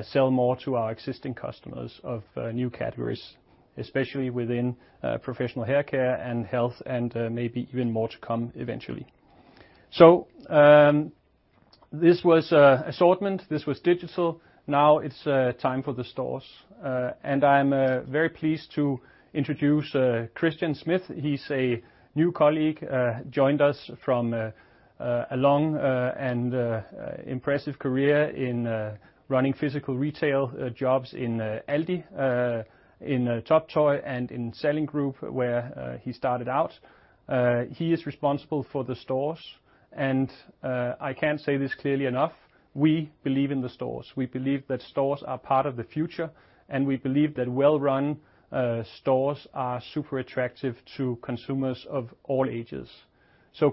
Speaker 1: sell more to our existing customers of new categories, especially within professional haircare and health, and maybe even more to come eventually. This was assortment, this was digital. Now it's time for the stores. I'm very pleased to introduce Christian Schmidt. He's a new colleague, joined us from a long and impressive career in running physical retail jobs in ALDI, in TOP-TOY, and in Salling Group, where he started out. He is responsible for the stores, and I can't say this clearly enough, we believe in the stores. We believe that stores are part of the future, and we believe that well-run stores are super attractive to consumers of all ages.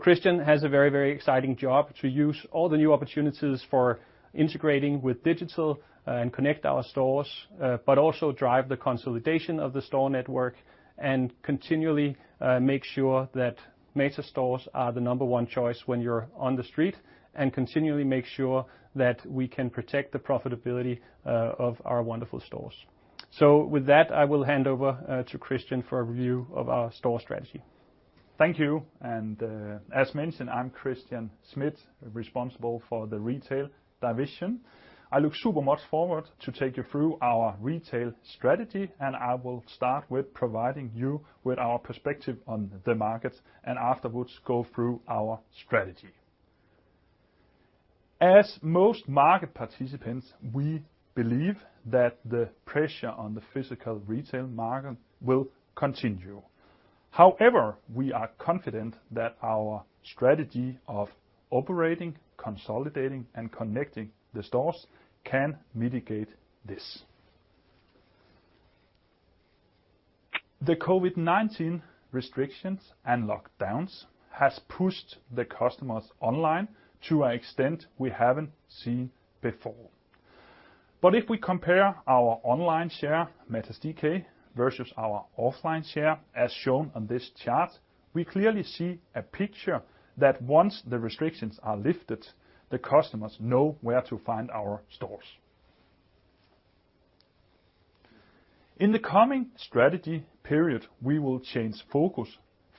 Speaker 1: Christian has a very exciting job to use all the new opportunities for integrating with digital and connect our stores, but also drive the consolidation of the store network and continually make sure that Matas stores are the number one choice when you're on the street, and continually make sure that we can protect the profitability of our wonderful stores. With that, I will hand over to Christian for a review of our store strategy.
Speaker 4: Thank you. As mentioned, I'm Christian Schmidt, responsible for the Retail Division. I look super much forward to take you through our retail strategy. I will start with providing you with our perspective on the markets, afterwards go through our strategy. As most market participants, we believe that the pressure on the physical retail market will continue. However, we are confident that our strategy of operating, consolidating, and connecting the stores can mitigate this. The COVID-19 restrictions and lockdowns has pushed the customers online to an extent we haven't seen before. If we compare our online share, Matas DK, versus our offline share, as shown on this chart, we clearly see a picture that once the restrictions are lifted, the customers know where to find our stores. In the coming strategy period, we will change focus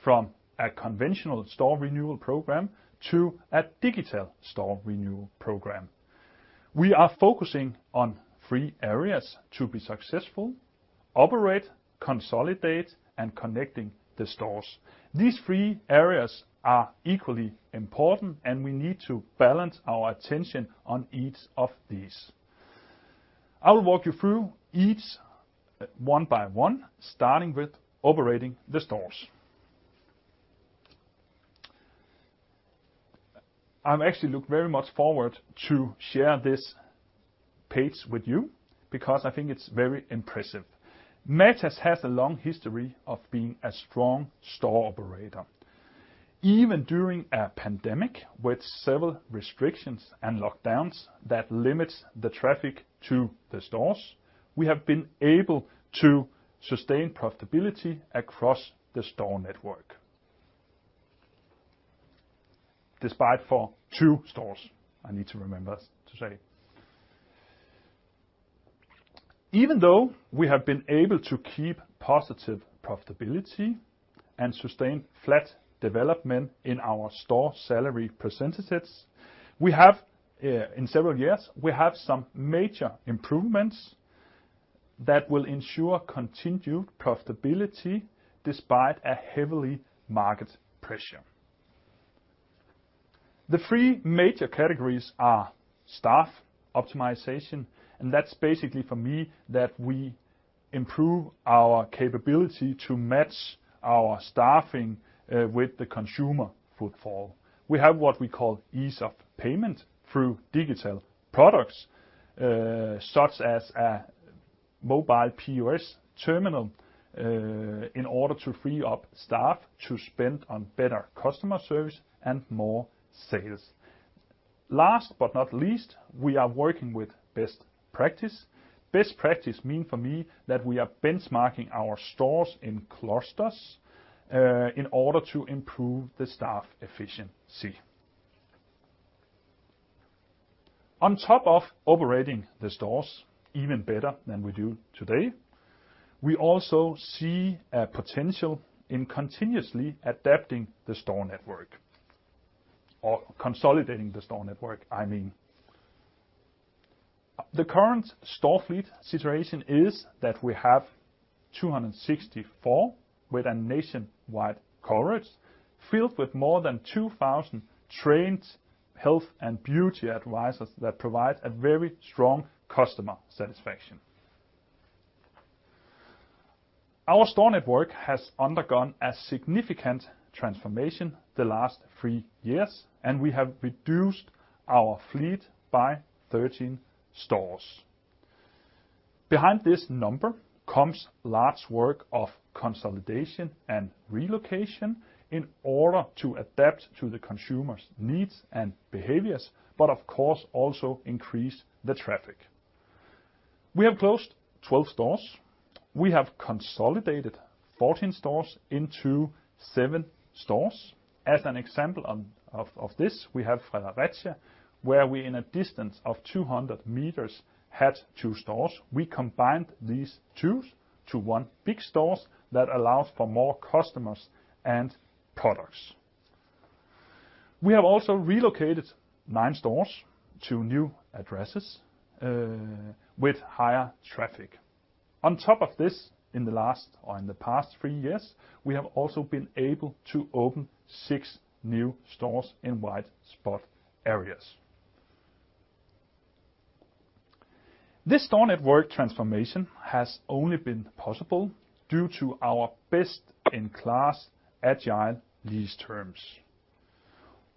Speaker 4: from a conventional store renewal program to a digital store renewal program. We are focusing on three areas to be successful: operate, consolidate, and connecting the stores. These three areas are equally important, and we need to balance our attention on each of these. I will walk you through each one-by-one, starting with operating the stores. I've actually looked very much forward to share this page with you because I think it's very impressive. Matas has a long history of being a strong store operator. Even during a pandemic with several restrictions and lockdowns that limits the traffic to the stores, we have been able to sustain profitability across the store network. Despite two stores, I need to remember to say. Even though we have been able to keep positive profitability and sustain flat development in our store salary perecentages, we have, in several years, some major improvements that will ensure continued profitability despite a heavily market pressure. The three major categories are staff optimization. That's basically for me, that we improve our capability to match our staffing with the consumer footfall. We have what we call ease of payment through digital products, such as a mobile POS terminal, in order to free up staff to spend on better customer service and more sales. Last but not least, we are working with best practice. Best practice mean for me that we are benchmarking our stores in clusters, in order to improve the staff efficiency. On top of operating the stores even better than we do today, we also see a potential in continuously adapting the store network or consolidating the store network, I mean. The current store fleet situation is that we have 264 with a nationwide coverage, filled with more than 2,000 trained health and beauty advisors that provide a very strong customer satisfaction. Our store network has undergone a significant transformation the last three years. We have reduced our fleet by 13 stores. Behind this number comes large work of consolidation and relocation in order to adapt to the consumers' needs and behaviors, of course, also increase the traffic. We have closed 12 stores. We have consolidated 14 stores into seven stores. As an example of this, we have Fredericia, where we, in a distance of 200 m, had two stores. We combined these two to one big store that allows for more customers and products. We have also relocated nine stores to new addresses with higher traffic. Top of this, in the past three years, we have also been able to open six new stores in white spot areas. This store network transformation has only been possible due to our best-in-class agile lease terms.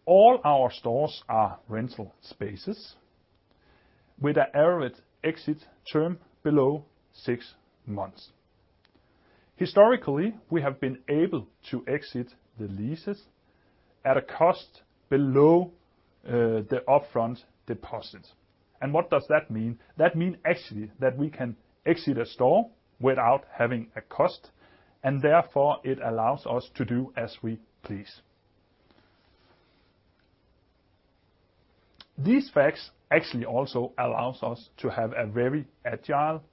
Speaker 4: All our stores are rental spaces with an average exit term below six months. Historically, we have been able to exit the leases at a cost below the upfront deposit. What does that mean? That mean, actually, that we can exit a store without having a cost, and therefore, it allows us to do as we please. These facts actually also allow us to have a very agile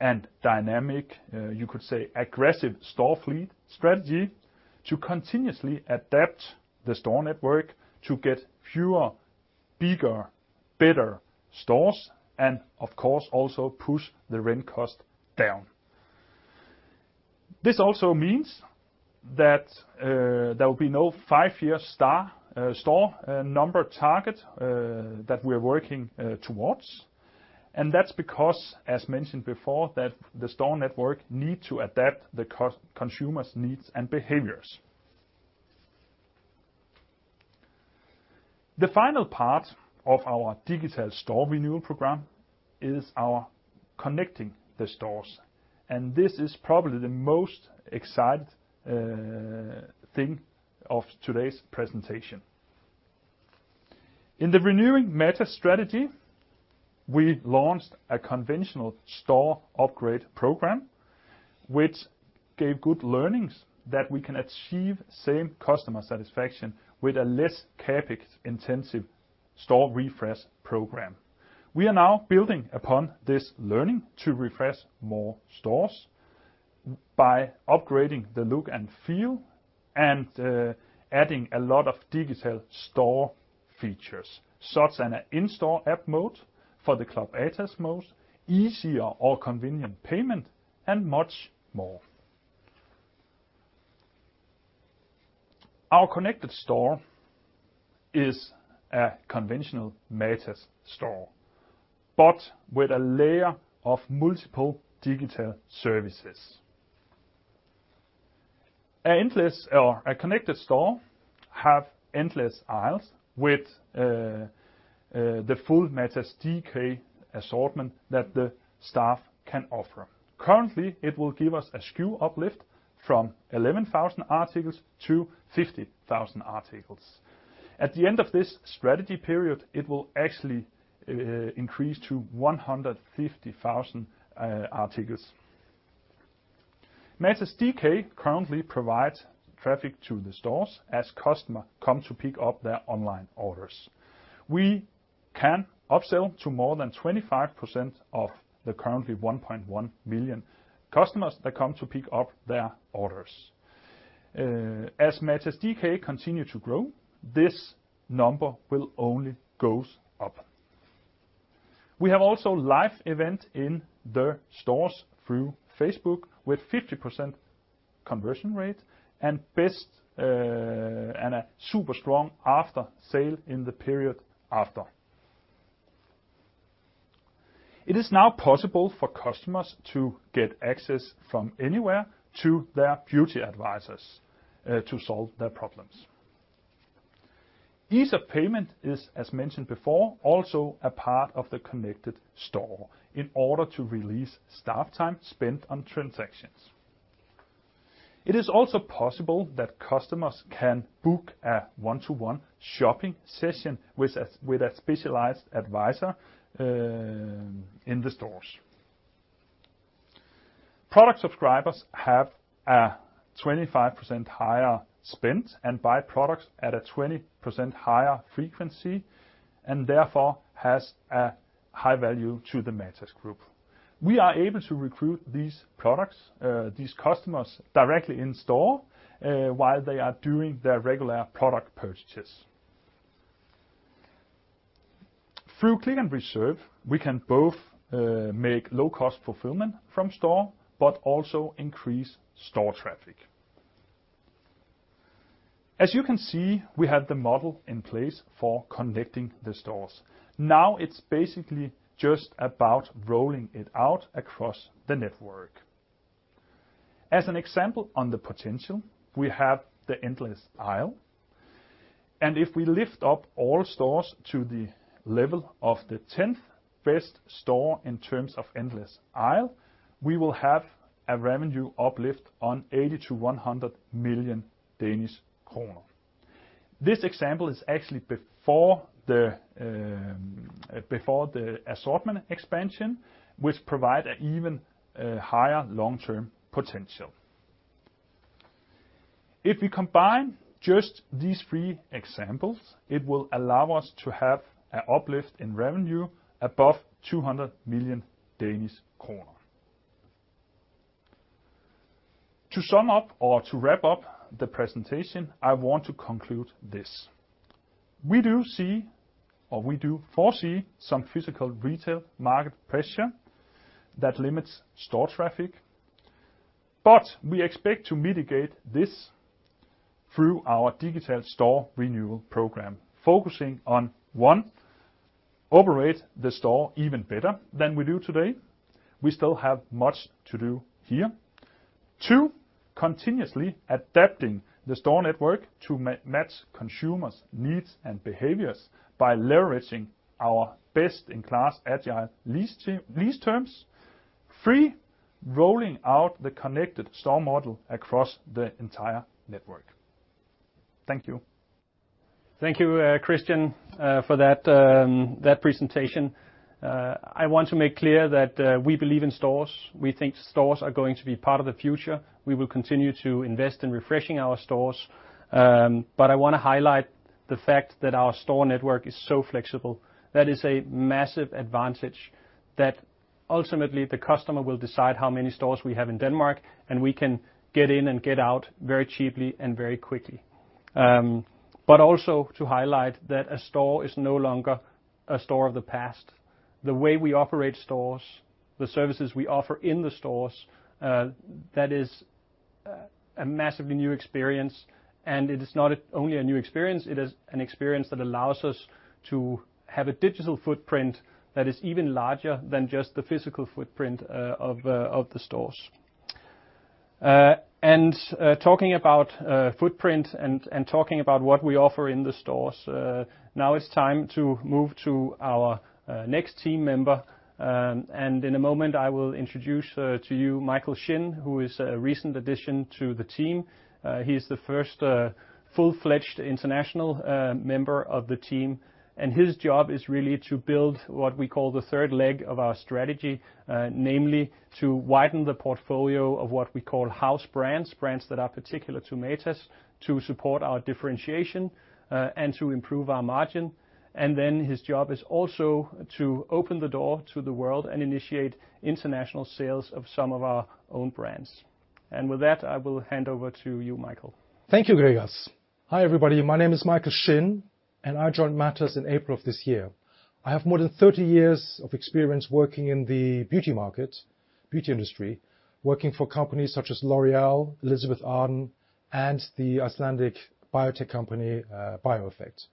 Speaker 4: and dynamic, you could say, aggressive store fleet strategy to continuously adapt the store network to get fewer, bigger, better stores and, of course, also push the rent cost down. This also means that there will be no five-year store number target that we're working towards. That's because, as mentioned before, the store network needs to adapt the consumers' needs and behaviors. The final part of our digital store renewal program is our connecting the stores. This is probably the most exciting thing of today's presentation. In the Renewing Matas strategy, we launched a conventional store upgrade program, which gave good learnings that we can achieve same customer satisfaction with a less CapEx-intensive store refresh program. We are now building upon this learning to refresh more stores by upgrading the look and feel and adding a lot of digital store features, such an in-store app mode for the Club Matas mode, easier or convenient payment, and much more. Our connected store is a conventional Matas store, but with a layer of multiple digital services. A connected store have endless aisles with the full Matas DK assortment that the staff can offer. Currently, it will give us a SKU uplift from 11,000 articles to 50,000 articles. At the end of this strategy period, it will actually increase to 150,000 articles. Matas DK currently provides traffic to the stores as customer come to pick up their online orders. We can upsell to more than 25% of the currently 1.1 million customers that come to pick up their orders. As Matas DK continues to grow, this number will only go up. We have also live events in the stores through Facebook with 50% conversion rate and a super strong after-sale in the period after. It is now possible for customers to get access from anywhere to their beauty advisors to solve their problems. Ease of payment is, as mentioned before, also a part of the connected store in order to release staff time spent on transactions. It is also possible that customers can book a one-to-one shopping session with a specialized advisor in the stores. Product subscribers have a 25% higher spend and buy products at a 20% higher frequency, and therefore, have a high value to the Matas Group. We are able to recruit these customers directly in store while they are doing their regular product purchases. Through click and reserve, we can both make low-cost fulfillment from store, but also increase store traffic. As you can see, we have the model in place for connecting the stores. It's basically just about rolling it out across the network. As an example on the potential, we have the endless aisle, and if we lift up all stores to the level of the 10th best store in terms of endless aisle, we will have a revenue uplift on 80 million-100 million Danish kroner. This example is actually before the assortment expansion, which provide an even higher long-term potential. If we combine just these three examples, it will allow us to have an uplift in revenue above 200 million Danish kroner. To sum up or to wrap up the presentation, I want to conclude this. We do see, or we do foresee some physical retail market pressure that limits store traffic, but we expect to mitigate this through our digital store renewal program, focusing on, one, operate the store even better than we do today. We still have much to do here. Two, continuously adapting the store network to match consumers' needs and behaviors by leveraging our best-in-class agile lease terms. Three, rolling out the connected store model across the entire network. Thank you.
Speaker 1: Thank you, Christian, for that presentation. I want to make clear that we believe in stores. We think stores are going to be part of the future. We will continue to invest in refreshing our stores. I want to highlight the fact that our store network is so flexible. That is a massive advantage that ultimately the customer will decide how many stores we have in Denmark, and we can get in and get out very cheaply and very quickly. Also to highlight that a store is no longer a store of the past. The way we operate stores, the services we offer in the stores, that is a massively new experience, and it is not only a new experience, it is an experience that allows us to have a digital footprint that is even larger than just the physical footprint of the stores. Talking about footprint and talking about what we offer in the stores, now it's time to move to our next team member, in a moment, I will introduce to you Michael Shin, who is a recent addition to the team. He's the first full-fledged international member of the team, his job is really to build what we call the third leg of our strategy, namely to widen the portfolio of what we call house brands that are particular to Matas to support our differentiation, and to improve our margin. His job is also to open the door to the world and initiate international sales of some of our own brands. With that, I will hand over to you, Michael.
Speaker 5: Thank you, Gregers. Hi, everybody. My name is Michael Shin, and I joined Matas in April of this year. I have more than 30 years of experience working in the beauty market, beauty industry, working for companies such as L'Oréal, Elizabeth Arden, and the Icelandic biotech company, BIOEFFECT.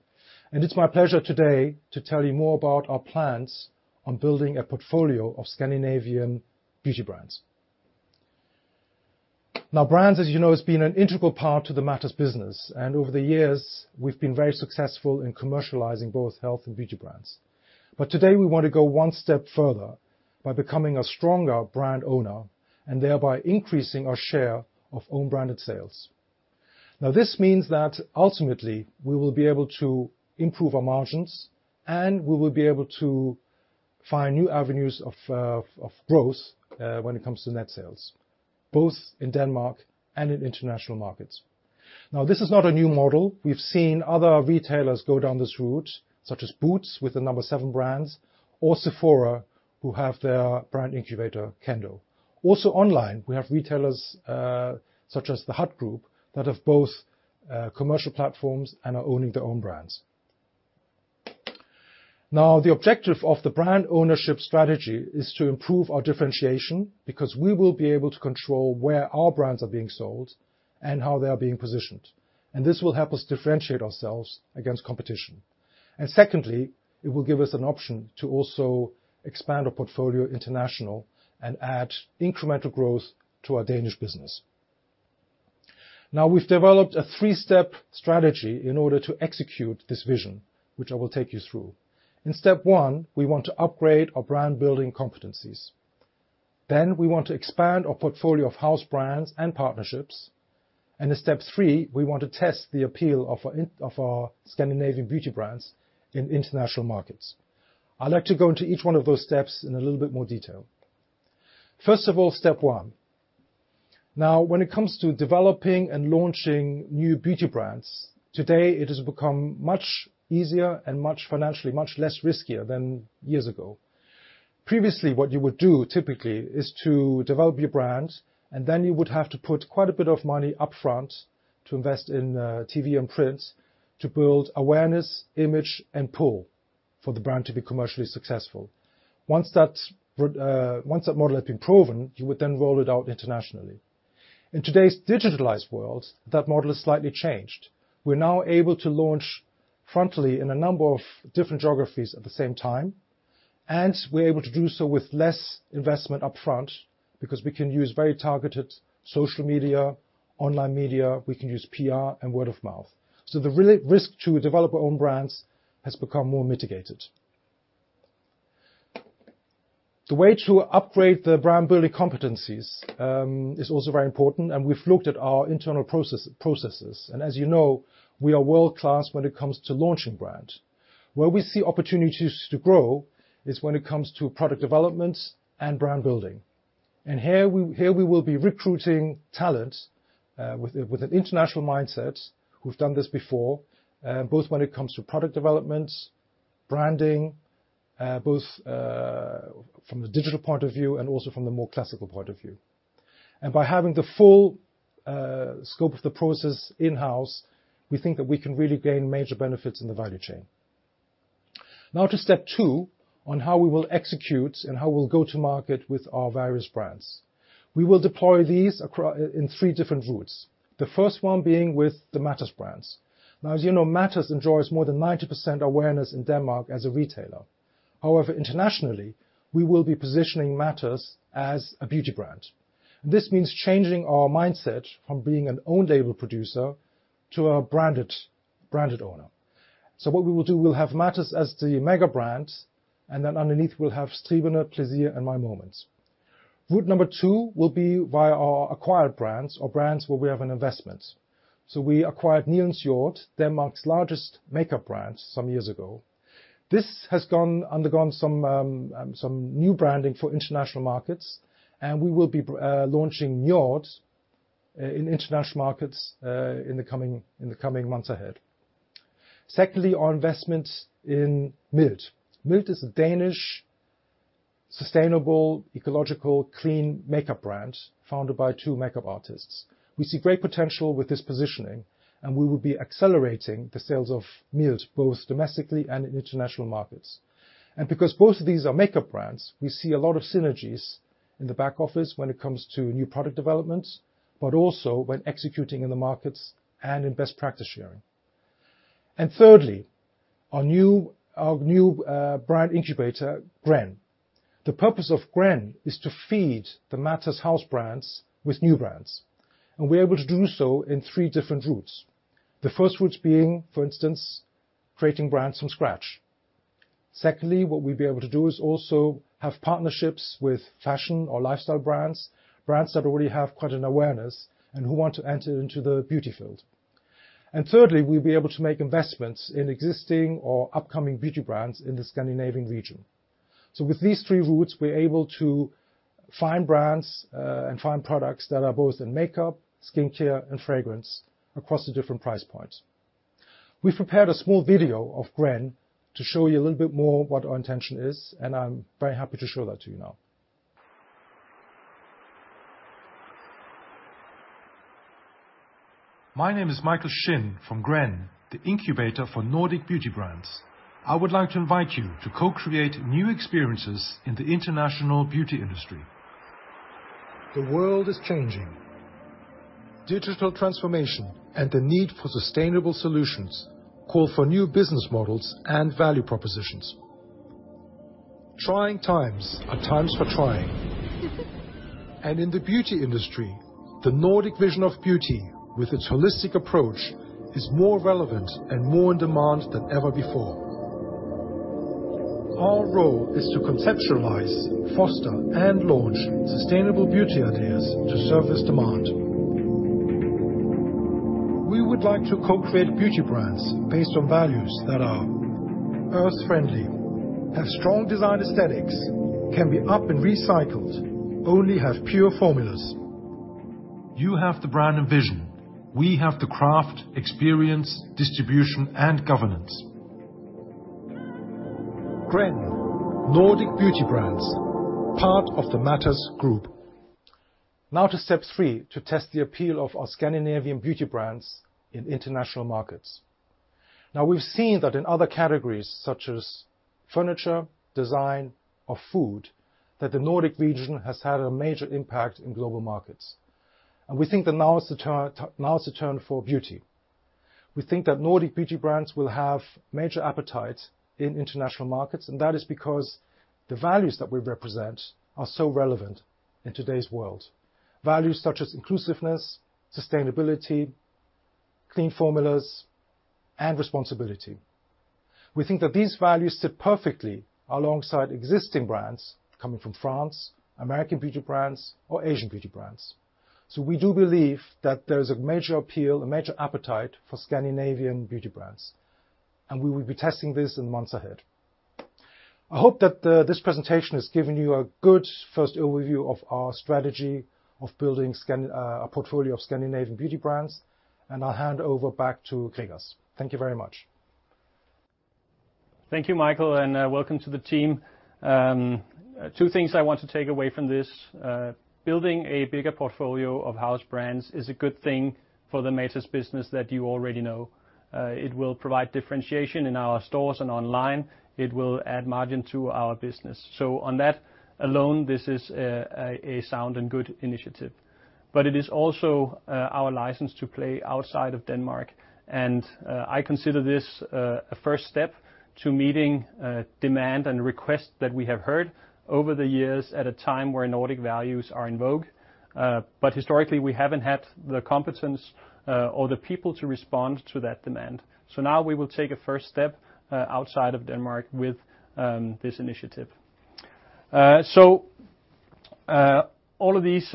Speaker 5: It's my pleasure today to tell you more about our plans on building a portfolio of Scandinavian beauty brands. Now, brands, as you know, has been an integral part to the Matas business, and over the years, we've been very successful in commercializing both health and beauty brands. But today, we want to go one step further by becoming a stronger brand owner and thereby increasing our share of own branded sales. This means that ultimately we will be able to improve our margins, and we will be able to find new avenues of growth when it comes to net sales, both in Denmark and in international markets. This is not a new model. We've seen other retailers go down this route, such as Boots with the No7 brands, or Sephora, who have their brand incubator, Kendo. Also online, we have retailers, such as The Hut Group, that have both commercial platforms and are owning their own brands. The objective of the brand ownership strategy is to improve our differentiation, because we will be able to control where our brands are being sold and how they are being positioned. This will help us differentiate ourselves against competition. Secondly, it will give us an option to also expand our portfolio international and add incremental growth to our Danish business. Now, we've developed a three-step strategy in order to execute this vision, which I will take you through. In step one, we want to upgrade our brand building competencies. Then we want to expand our portfolio of house brands and partnerships. In step three, we want to test the appeal of our Scandinavian beauty brands in international markets. I'd like to go into each one of those steps in a little bit more detail. First of all, step one. Now, when it comes to developing and launching new beauty brands, today, it has become much easier and financially much less riskier than years ago. Previously, what you would do typically is to develop your brand, and then you would have to put quite a bit of money upfront to invest in TV and print to build awareness, image, and pull for the brand to be commercially successful. Once that model had been proven, you would then roll it out internationally. In today's digitalized world, that model has slightly changed. We're now able to launch frontally in a number of different geographies at the same time, and we're able to do so with less investment upfront because we can use very targeted social media, online media, we can use PR, and word of mouth. The risk to develop our own brands has become more mitigated. The way to upgrade the brand-building competencies is also very important, and we've looked at our internal processes. As you know, we are world-class when it comes to launching brands. Where we see opportunities to grow is when it comes to product development and brand building. Here we will be recruiting talent with an international mindset who've done this before, both when it comes to product development, branding, both from the digital point of view and also from the more classical point of view. By having the full scope of the process in-house, we think that we can really gain major benefits in the value chain. Now to step two on how we will execute and how we'll go to market with our various brands. We will deploy these in three different routes. The first one being with the Matas brands. As you know, Matas enjoys more than 90% awareness in Denmark as a retailer. However, internationally, we will be positioning Matas as a beauty brand. This means changing our mindset from being an own label producer to a branded owner. What we will do, we'll have Matas as the mega brand, and then underneath we'll have Striberne, Plaisir, and My Moments. Route number two will be via our acquired brands or brands where we have an investment. We acquired Nilens Jord, Denmark's largest makeup brand, some years ago. This has undergone some new branding for international markets, and we will be launching Nilens Jord in international markets in the coming months ahead. Secondly, our investment in Miild. Miild is a Danish, sustainable, ecological, clean makeup brand founded by two makeup artists. We see great potential with this positioning. We will be accelerating the sales of Miild, both domestically and in international markets. Because both of these are makeup brands, we see a lot of synergies in the back office when it comes to new product development, but also when executing in the markets and in best practice sharing. Thirdly, our new brand incubator, Grænn. The purpose of Grænn is to feed the Matas house brands with new brands, and we're able to do so in three different routes. The first route being, for instance, creating brands from scratch. Secondly, what we'll be able to do is also have partnerships with fashion or lifestyle brands that already have quite an awareness and who want to enter into the beauty field. Thirdly, we'll be able to make investments in existing or upcoming beauty brands in the Scandinavian region. With these three routes, we're able to find brands and find products that are both in makeup, skincare, and fragrance across the different price points. We've prepared a small video of Grænn to show you a little bit more what our intention is, and I'm very happy to show that to you now. My name is Michael Shin from Grænn, the incubator for Nordic Beauty Brands. I would like to invite you to co-create new experiences in the international beauty industry. The world is changing. Digital transformation and the need for sustainable solutions call for new business models and value propositions. Trying times are times for trying. In the beauty industry, the Nordic vision of beauty with its holistic approach is more relevant and more in demand than ever before. Our role is to conceptualize, foster, and launch sustainable beauty ideas to surface demand. We would like to co-create beauty brands based on values that are earth-friendly, have strong design aesthetics, can be up and recycled, only have pure formulas. You have the brand and vision. We have the craft, experience, distribution, and governance. Grænn, Nordic Beauty Brands, part of the Matas Group. To step three, to test the appeal of our Scandinavian beauty brands in international markets. We've seen that in other categories such as furniture, design, or food, that the Nordic region has had a major impact in global markets. We think that now is the turn for beauty. We think that Nordic beauty brands will have major appetite in international markets, that is because the values that we represent are so relevant in today's world. Values such as inclusiveness, sustainability, clean formulas, and responsibility. We think that these values sit perfectly alongside existing brands coming from France, American beauty brands, or Asian beauty brands. We do believe that there's a major appeal, a major appetite for Scandinavian beauty brands, and we will be testing this in the months ahead. I hope that this presentation has given you a good first overview of our strategy of building a portfolio of Scandinavian beauty brands, and I'll hand over back to Gregers. Thank you very much
Speaker 1: Thank you, Michael, and welcome to the team. Two things I want to take away from this. Building a bigger portfolio of house brands is a good thing for the Matas business that you already know. It will provide differentiation in our stores and online. It will add margin to our business. On that alone, this is a sound and good initiative. It is also our license to play outside of Denmark, and I consider this a first step to meeting demand and requests that we have heard over the years at a time where Nordic values are in vogue. Historically, we haven't had the competence or the people to respond to that demand. Now we will take a first step outside of Denmark with this initiative. All of these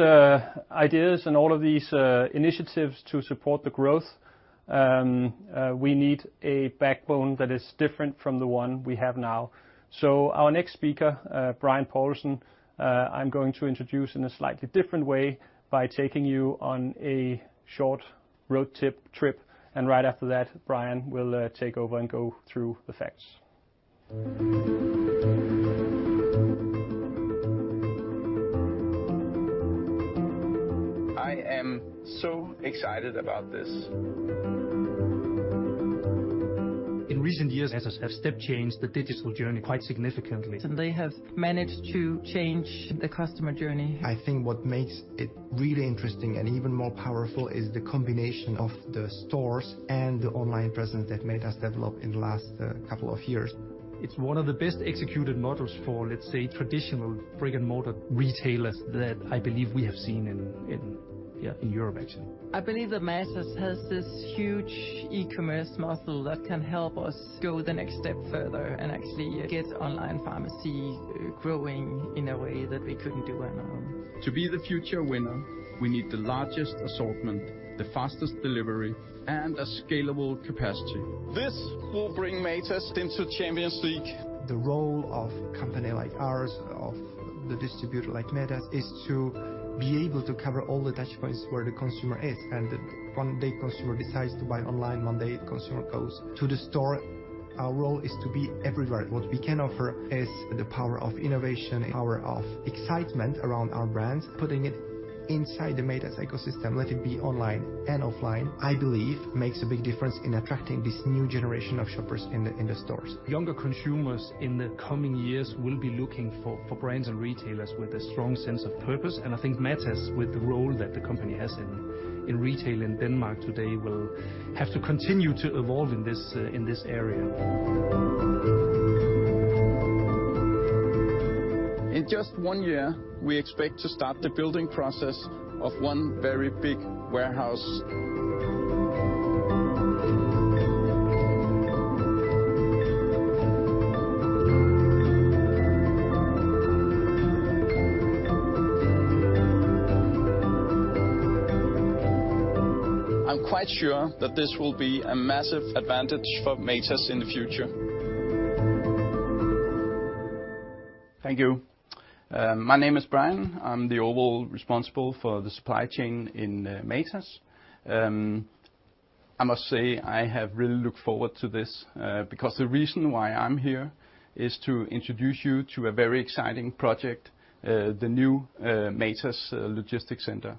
Speaker 1: ideas and all of these initiatives to support the growth, we need a backbone that is different from the one we have now. Our next speaker, Brian Poulsen, I am going to introduce in a slightly different way by taking you on a short road trip, and right after that, Brian will take over and go through the facts.
Speaker 6: I am so excited about this. In recent years, Matas have step changed the digital journey quite significantly. They have managed to change the customer journey. I think what makes it really interesting and even more powerful is the combination of the stores and the online presence that Matas developed in the last couple of years. It's one of the best-executed models for, let's say, traditional brick-and-mortar retailers that I believe we have seen in, yeah, in Europe, actually. I believe that Matas has this huge e-commerce muscle that can help us go the next step further and actually get online pharmacy growing in a way that we couldn't do on our own. To be the future winner, we need the largest assortment, the fastest delivery, and a scalable capacity. This will bring Matas into Champions League. The role of a company like ours, of the distributor like Matas, is to be able to cover all the touch points where the consumer is, and one day consumer decides to buy online, one day consumer goes to the store. Our role is to be everywhere. What we can offer is the power of innovation, power of excitement around our brands. Putting it inside the Matas ecosystem, let it be online and offline, I believe makes a big difference in attracting this new generation of shoppers in the stores. Younger consumers in the coming years will be looking for brands and retailers with a strong sense of purpose. I think Matas, with the role that the company has in retail in Denmark today, will have to continue to evolve in this area. In just one year, we expect to start the building process of one very big warehouse. I'm quite sure that this will be a massive advantage for Matas in the future.
Speaker 7: Thank you. My name is Brian. I'm the overall responsible for the supply chain in Matas. I must say, I have really looked forward to this, because the reason why I'm here is to introduce you to a very exciting project, the new Matas Logistics Center.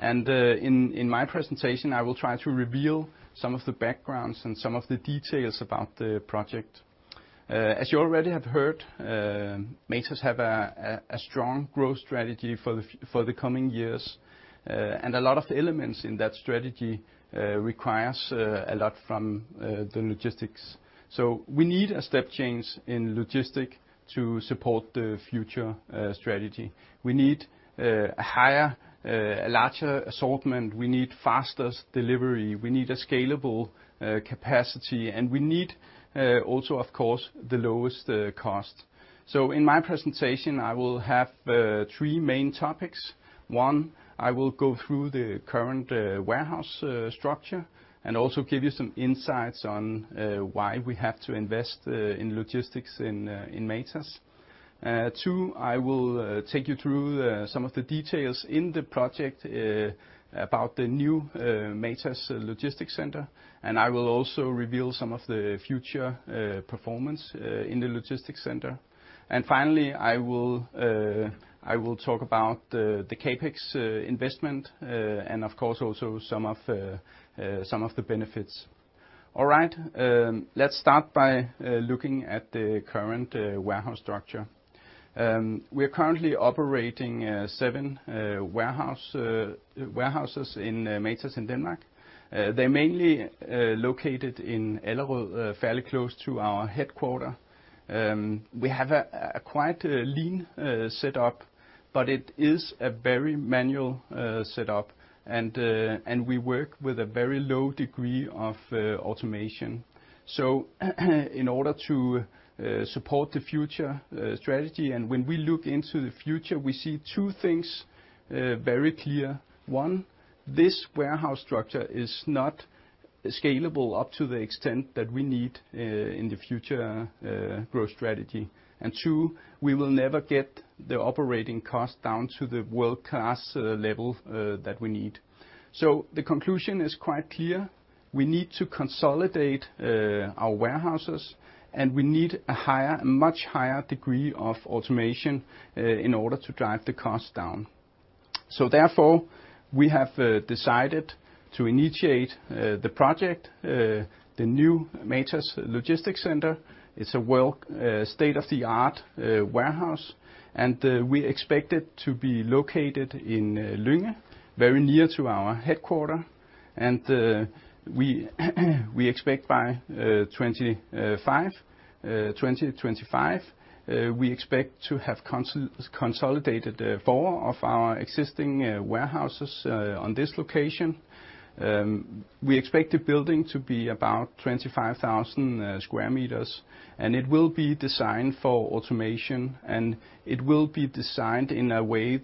Speaker 7: In my presentation, I will try to reveal some of the backgrounds and some of the details about the project. As you already have heard, Matas have a strong growth strategy for the coming years. A lot of the elements in that strategy requires a lot from the logistics. We need a step change in logistic to support the future strategy. We need a higher, a larger assortment. We need faster delivery. We need a scalable capacity, and we need also, of course, the lowest cost. In my presentation, I will have three main topics. One, I will go through the current warehouse structure and also give you some insights on why we have to invest in logistics in Matas. Two, I will take you through some of the details in the project about the new Matas Logistics Center, and I will also reveal some of the future performance in the logistics center. Finally, I will talk about the CapEx investment, and of course, also some of the benefits. All right. Let's start by looking at the current warehouse structure. We are currently operating seven warehouses in Matas in Denmark. They're mainly located in Allerød, fairly close to our headquarter. We have a quite lean setup, but it is a very manual setup, and we work with a very low degree of automation. In order to support the future strategy, and when we look into the future, we see two things very clear. One, this warehouse structure is not scalable up to the extent that we need in the future growth strategy. Two, we will never get the operating cost down to the world-class level that we need. The conclusion is quite clear. We need to consolidate our warehouses, and we need a much higher degree of automation in order to drive the cost down. Therefore, we have decided to initiate the project, the new Matas Logistics Center. It's a state-of-the-art warehouse, and we expect it to be located in Lynge, very near to our headquarter. We expect by 2025, we expect to have consolidated four of our existing warehouses on this location. We expect the building to be about 25,000 sq m, and it will be designed for automation, and it will be designed in a way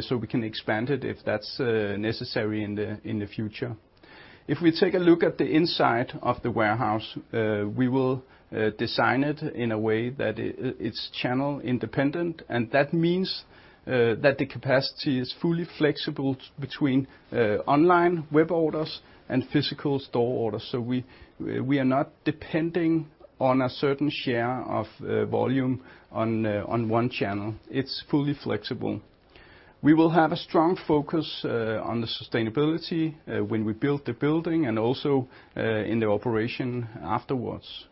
Speaker 7: so we can expand it if that's necessary in the future. If we take a look at the inside of the warehouse, we will design it in a way that it's channel independent, and that means that the capacity is fully flexible between online web orders and physical store orders. We are not depending on a certain share of volume on one channel. It's fully flexible. We will have a strong focus on the sustainability when we build the building and also in the operation afterwards.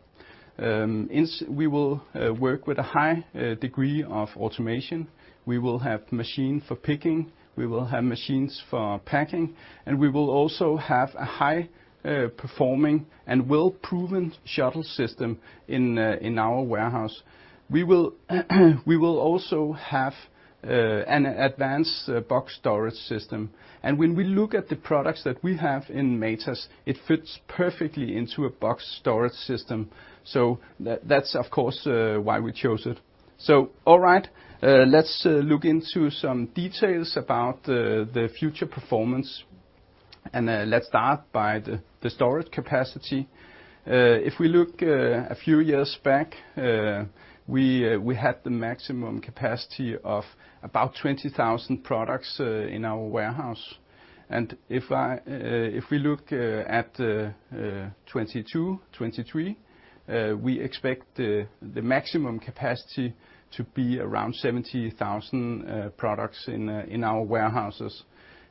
Speaker 7: We will work with a high degree of automation. We will have machine for picking, we will have machines for packing, and we will also have a high-performing and well-proven shuttle system in our warehouse. We will also have an advanced box storage system. When we look at the products that we have in Matas, it fits perfectly into a box storage system. That's of course why we chose it. All right. Let's look into some details about the future performance. Let's start by the storage capacity. If we look a few years back, we had the maximum capacity of about 20,000 products in our warehouse. If we look at 2022, 2023, we expect the maximum capacity to be around 70,000 products in our warehouses.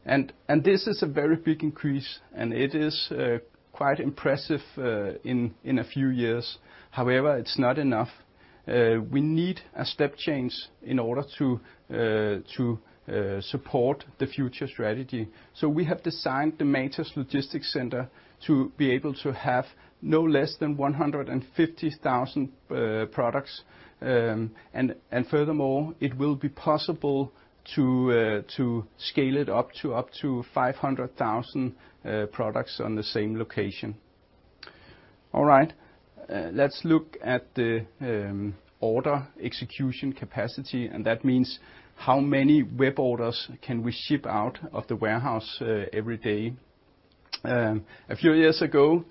Speaker 7: This is a very big increase, and it is quite impressive in a few years. However, it's not enough. We need a step change in order to support the future strategy. We have designed the Matas Logistics Center to be able to have no less than 150,000 products. Furthermore, it will be possible to scale it up to 500,000 products on the same location. All right. Let's look at the order execution capacity, and that means how many web orders can we ship out of the warehouse every day. A few years ago,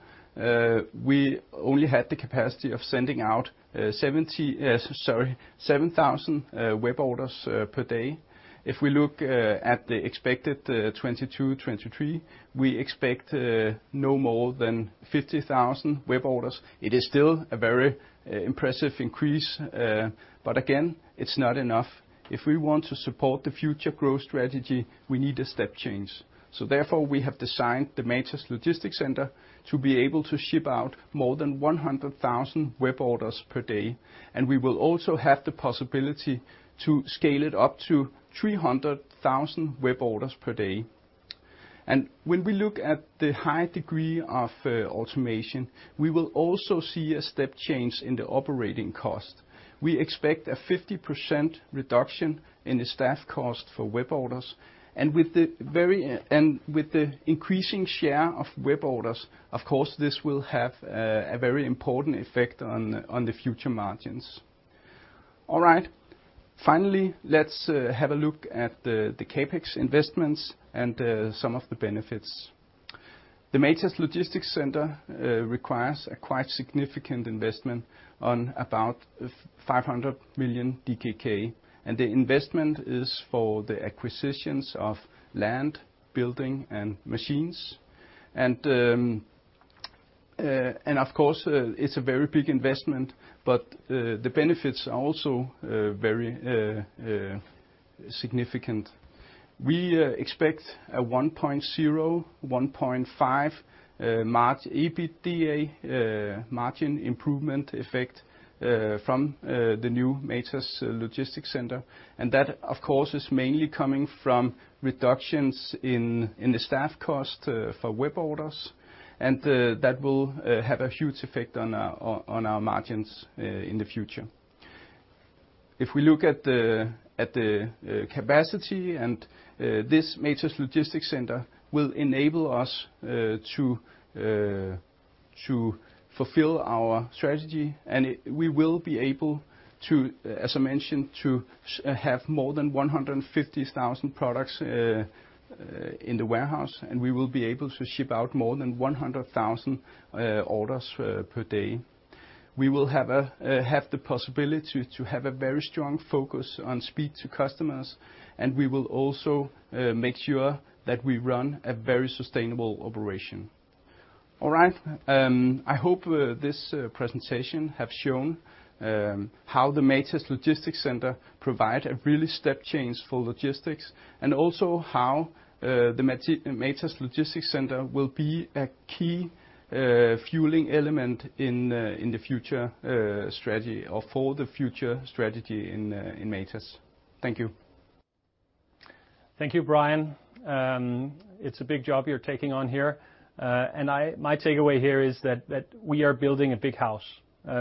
Speaker 7: we only had the capacity of sending out 7,000 web orders per day. If we look at the expected 2022, 2023, we expect no more than 50,000 web orders. It is still a very impressive increase. Again, it's not enough. If we want to support the future growth strategy, we need a step change. Therefore, we have designed the Matas Logistics Center to be able to ship out more than 100,000 web orders per day. We will also have the possibility to scale it up to 300,000 web orders per day. When we look at the high degree of automation, we will also see a step change in the operating cost. We expect a 50% reduction in the staff cost for web orders. With the increasing share of web orders, of course, this will have a very important effect on the future margins. All right. Finally, let's have a look at the CapEx investments and some of the benefits. The Matas Logistics Center requires a quite significant investment on about 500 million DKK. The investment is for the acquisitions of land, building, and machines. Of course, it's a very big investment, but the benefits are also very significant. We expect a 1.0%-1.5% EBITDA margin improvement effect from the new Matas Logistics Center. That, of course, is mainly coming from reductions in the staff cost for web orders, and that will have a huge effect on our margins in the future. If we look at the capacity and this Matas Logistics Center will enable us to fulfill our strategy, and we will be able to, as I mentioned, to have more than 150,000 products in the warehouse, and we will be able to ship out more than 100,000 orders per day. We will have the possibility to have a very strong focus on speed to customers, and we will also make sure that we run a very sustainable operation. All right. I hope this presentation have shown how the Matas Logistics Center provide a really step change for logistics, and also how the Matas Logistics Center will be a key fueling element in the future strategy or for the future strategy in Matas. Thank you.
Speaker 1: Thank you, Brian. It's a big job you're taking on here. My takeaway here is that we are building a big house.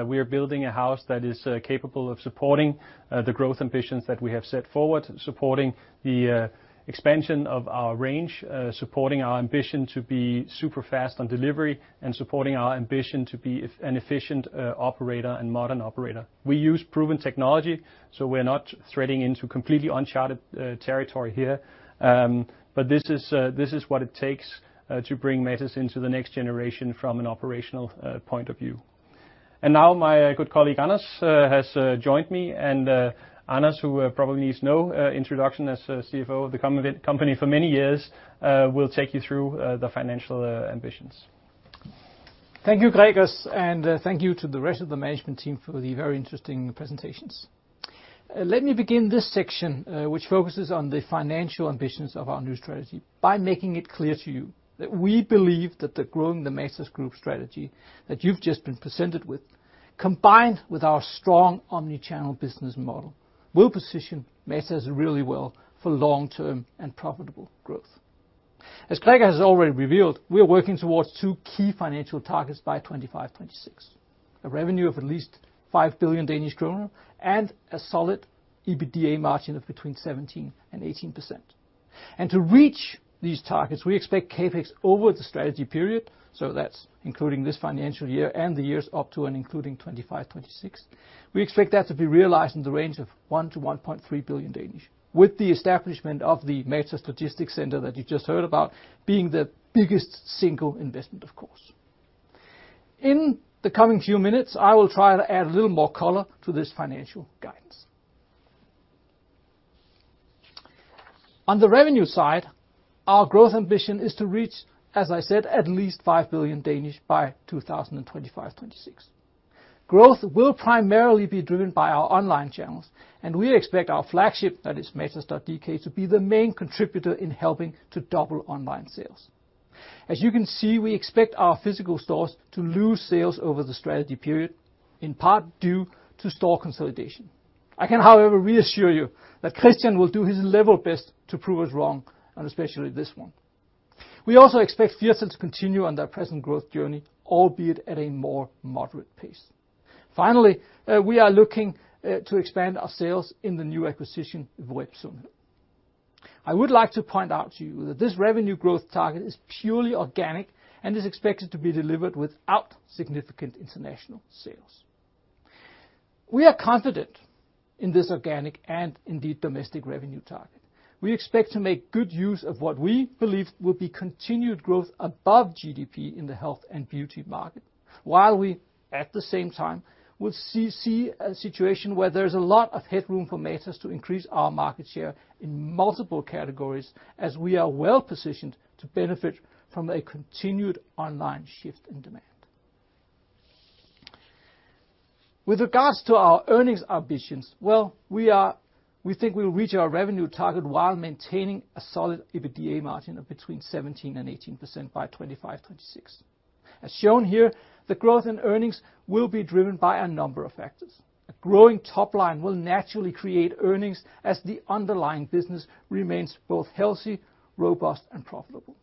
Speaker 1: We are building a house that is capable of supporting the growth ambitions that we have set forward, supporting the expansion of our range, supporting our ambition to be super fast on delivery, and supporting our ambition to be an efficient operator and modern operator. We use proven technology, we're not threading into completely uncharted territory here. This is what it takes to bring Matas into the next generation from an operational point of view. Now my good colleague, Anders, has joined me. Anders, who probably needs no introduction as CFO of the company for many years, will take you through the financial ambitions.
Speaker 8: Thank you, Gregers, and thank you to the rest of the management team for the very interesting presentations. Let me begin this section, which focuses on the financial ambitions of our new strategy by making it clear to you that we believe that the Growing Matas Group strategy that you've just been presented with, combined with our strong omni-channel business model, will position Matas really well for long-term and profitable growth. As Gregers has already revealed, we are working towards two key financial targets by 2025, 2026. A revenue of at least 5 billion Danish kroner, and a solid EBITDA margin of between 17% and 18%. To reach these targets, we expect CapEx over the strategy period, so that's including this financial year and the years up to and including 2025, 2026. We expect that to be realized in the range of 1 billion-1.3 billion, with the establishment of the Matas Logistics Center that you just heard about being the biggest single investment, of course. In the coming few minutes, I will try to add a little more color to this financial guidance. On the revenue side, our growth ambition is to reach, as I said, at least 5 billion by 2025, 2026. Growth will primarily be driven by our online channels, and we expect our flagship, that is matas.dk, to be the main contributor in helping to double online sales. As you can see, we expect our physical stores to lose sales over the strategy period, in part due to store consolidation. I can, however, reassure you that Christian will do his level best to prove us wrong on especially this one. We also expect Firtal to continue on their present growth journey, albeit at a more moderate pace. Finally, we are looking to expand our sales in the new acquisition of Web Sundhed. I would like to point out to you that this revenue growth target is purely organic and is expected to be delivered without significant international sales. We are confident in this organic and indeed domestic revenue target. We expect to make good use of what we believe will be continued growth above GDP in the health and beauty market, while we, at the same time, will see a situation where there's a lot of headroom for Matas to increase our market share in multiple categories as we are well-positioned to benefit from a continued online shift in demand. With regards to our earnings ambitions, well, we think we'll reach our revenue target while maintaining a solid EBITDA margin of between 17% and 18% by 2025, 2026. As shown here, the growth in earnings will be driven by a number of factors. A growing top line will naturally create earnings as the underlying business remains both healthy, robust, and profitable.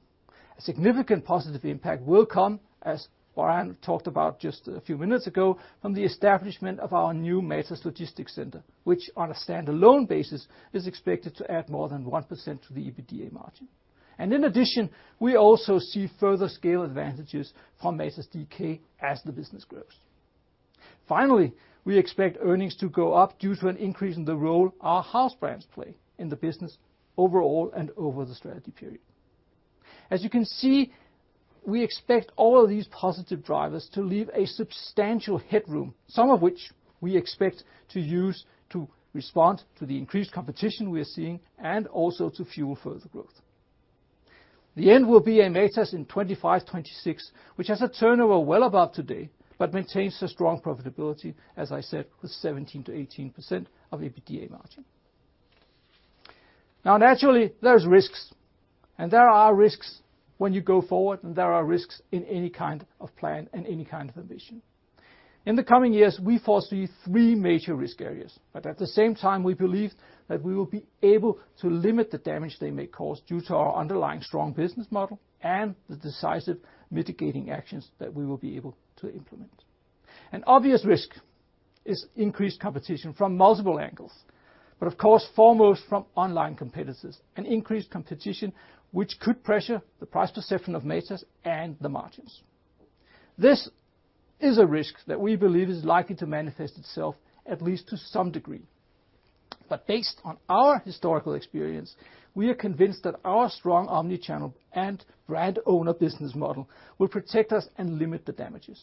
Speaker 8: A significant positive impact will come, as Brian talked about just a few minutes ago, from the establishment of our new Matas Logistics Center, which on a standalone basis, is expected to add more than 1% to the EBITDA margin. In addition, we also see further scale advantages from matas.dk as the business grows. Finally, we expect earnings to go up due to an increase in the role our house brands play in the business overall and over the strategy period. As you can see, we expect all of these positive drivers to leave a substantial headroom, some of which we expect to use to respond to the increased competition we're seeing and also to fuel further growth. The end will be a Matas in 2025, 2026, which has a turnover well above today, but maintains a strong profitability, as I said, with 17%-18% of EBITDA margin. Now naturally, there's risks, and there are risks when you go forward, and there are risks in any kind of plan and any kind of ambition. In the coming years, we foresee three major risk areas. At the same time, we believe that we will be able to limit the damage they may cause due to our underlying strong business model and the decisive mitigating actions that we will be able to implement. An obvious risk is increased competition from multiple angles, but of course, foremost from online competitors, an increased competition which could pressure the price perception of Matas and the margins. This is a risk that we believe is likely to manifest itself at least to some degree. Based on our historical experience, we are convinced that our strong omnichannel and brand owner business model will protect us and limit the damages.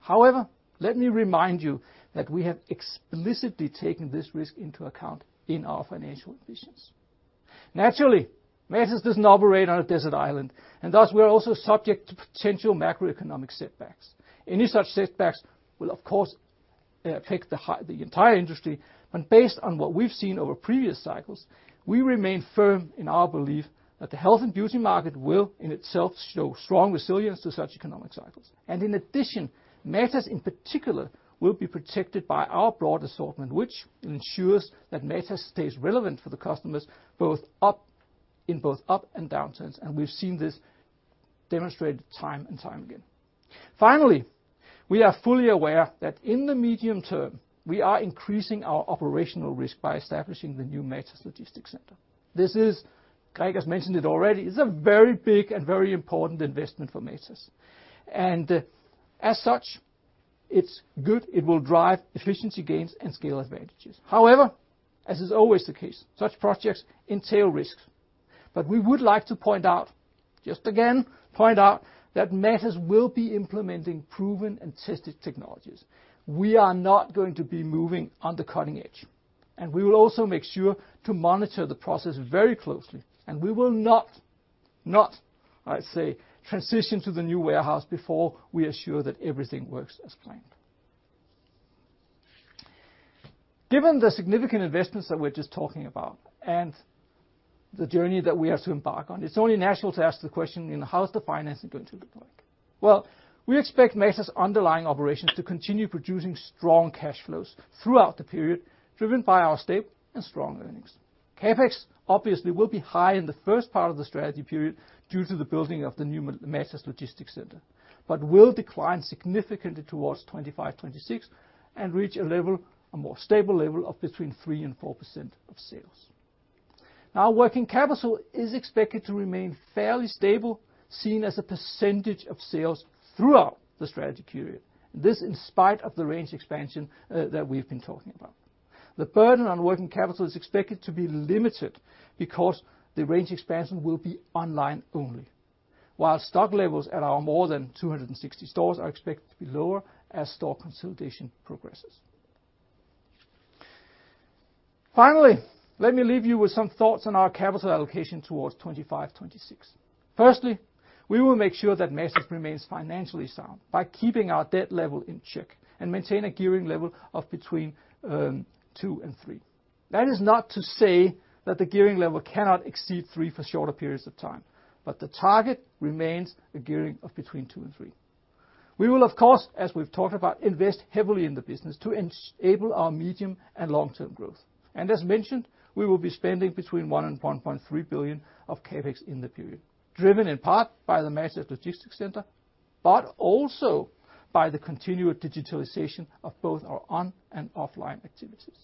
Speaker 8: However, let me remind you that we have explicitly taken this risk into account in our financial visions. Naturally, Matas doesn't operate on a desert island, and thus we are also subject to potential macroeconomic setbacks. Any such setbacks will, of course, affect the entire industry, but based on what we've seen over previous cycles, we remain firm in our belief that the health and beauty market will, in itself, show strong resilience to such economic cycles. In addition, Matas in particular will be protected by our broad assortment, which ensures that Matas stays relevant for the customers in both up and downturns, and we've seen this demonstrated time and time again. Finally, we are fully aware that in the medium term we are increasing our operational risk by establishing the new Matas Logistics Center. Greg has mentioned it already, it is a very big and very important investment for Matas, and as such, it is good. It will drive efficiency gains and scale advantages. However, as is always the case, such projects entail risks. We would like to point out, just again, point out that Matas will be implementing proven and tested technologies. We are not going to be moving on the cutting edge, and we will also make sure to monitor the process very closely, and we will not, I say, transition to the new warehouse before we assure that everything works as planned. Given the significant investments that we're just talking about and the journey that we are to embark on, it's only natural to ask the question, how is the financing going to look like? Well, we expect Matas' underlying operations to continue producing strong cash flows throughout the period, driven by our stable and strong earnings. CapEx obviously will be high in the first part of the strategy period due to the building of the new Matas Logistics Center, but will decline significantly towards 2025, 2026 and reach a more stable level of between 3% and 4% of sales. Working capital is expected to remain fairly stable, seen as a percentage of sales throughout the strategy period. This in spite of the range expansion that we've been talking about. The burden on working capital is expected to be limited because the range expansion will be online only. While stock levels at our more than 260 stores are expected to be lower as store consolidation progresses. Let me leave you with some thoughts on our capital allocation towards 2025, 2026. We will make sure that Matas remains financially sound by keeping our debt level in check and maintain a gearing level of between two and three. That is not to say that the gearing level cannot exceed three for shorter periods of time, but the target remains a gearing of between two and three. We will, of course, as we've talked about, invest heavily in the business to enable our medium and long-term growth. As mentioned, we will be spending between 1 billion and 1.3 billion of CapEx in the period, driven in part by the Matas Logistics Center, but also by the continued digitalization of both our on and offline activities.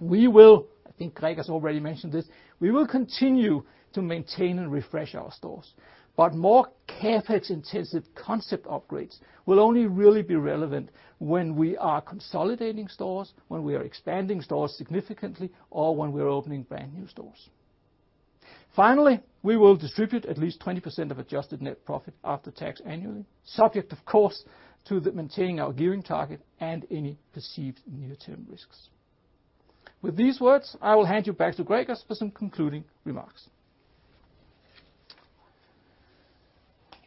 Speaker 8: We will, I think Greg has already mentioned this, we will continue to maintain and refresh our stores, but more CapEx-intensive concept upgrades will only really be relevant when we are consolidating stores, when we are expanding stores significantly, or when we are opening brand-new stores. Finally, we will distribute at least 20% of adjusted net profit after tax annually, subject, of course, to maintaining our gearing target and any perceived near-term risks. With these words, I will hand you back to Gregers for some concluding remarks.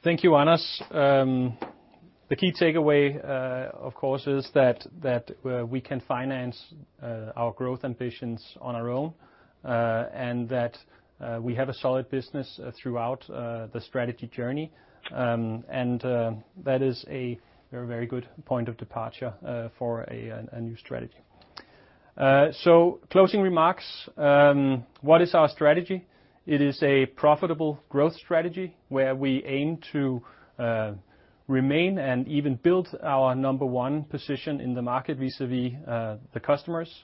Speaker 1: Thank you, Anders. The key takeaway, of course, is that we can finance our growth ambitions on our own, and that we have a solid business throughout the strategy journey, and that is a very good point of departure for a new strategy. Closing remarks, what is our strategy? It is a profitable growth strategy where we aim to remain and even build our number one position in the market vis-à-vis the customers.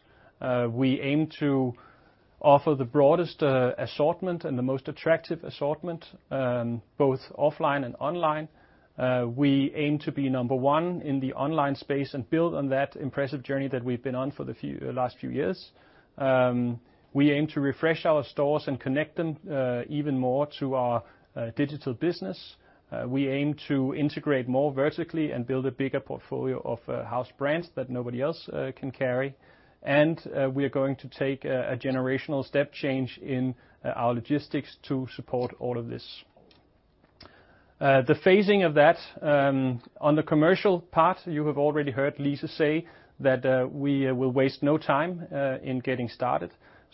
Speaker 1: We aim to offer the broadest assortment and the most attractive assortment, both offline and online. We aim to be number one in the online space and build on that impressive journey that we've been on for the last few years. We aim to refresh our stores and connect them even more to our digital business. We aim to integrate more vertically and build a bigger portfolio of house brands that nobody else can carry. We are going to take a generational step change in our logistics to support all of this. The phasing of that, on the commercial part, you have already heard Lise say that we will waste no time in getting started.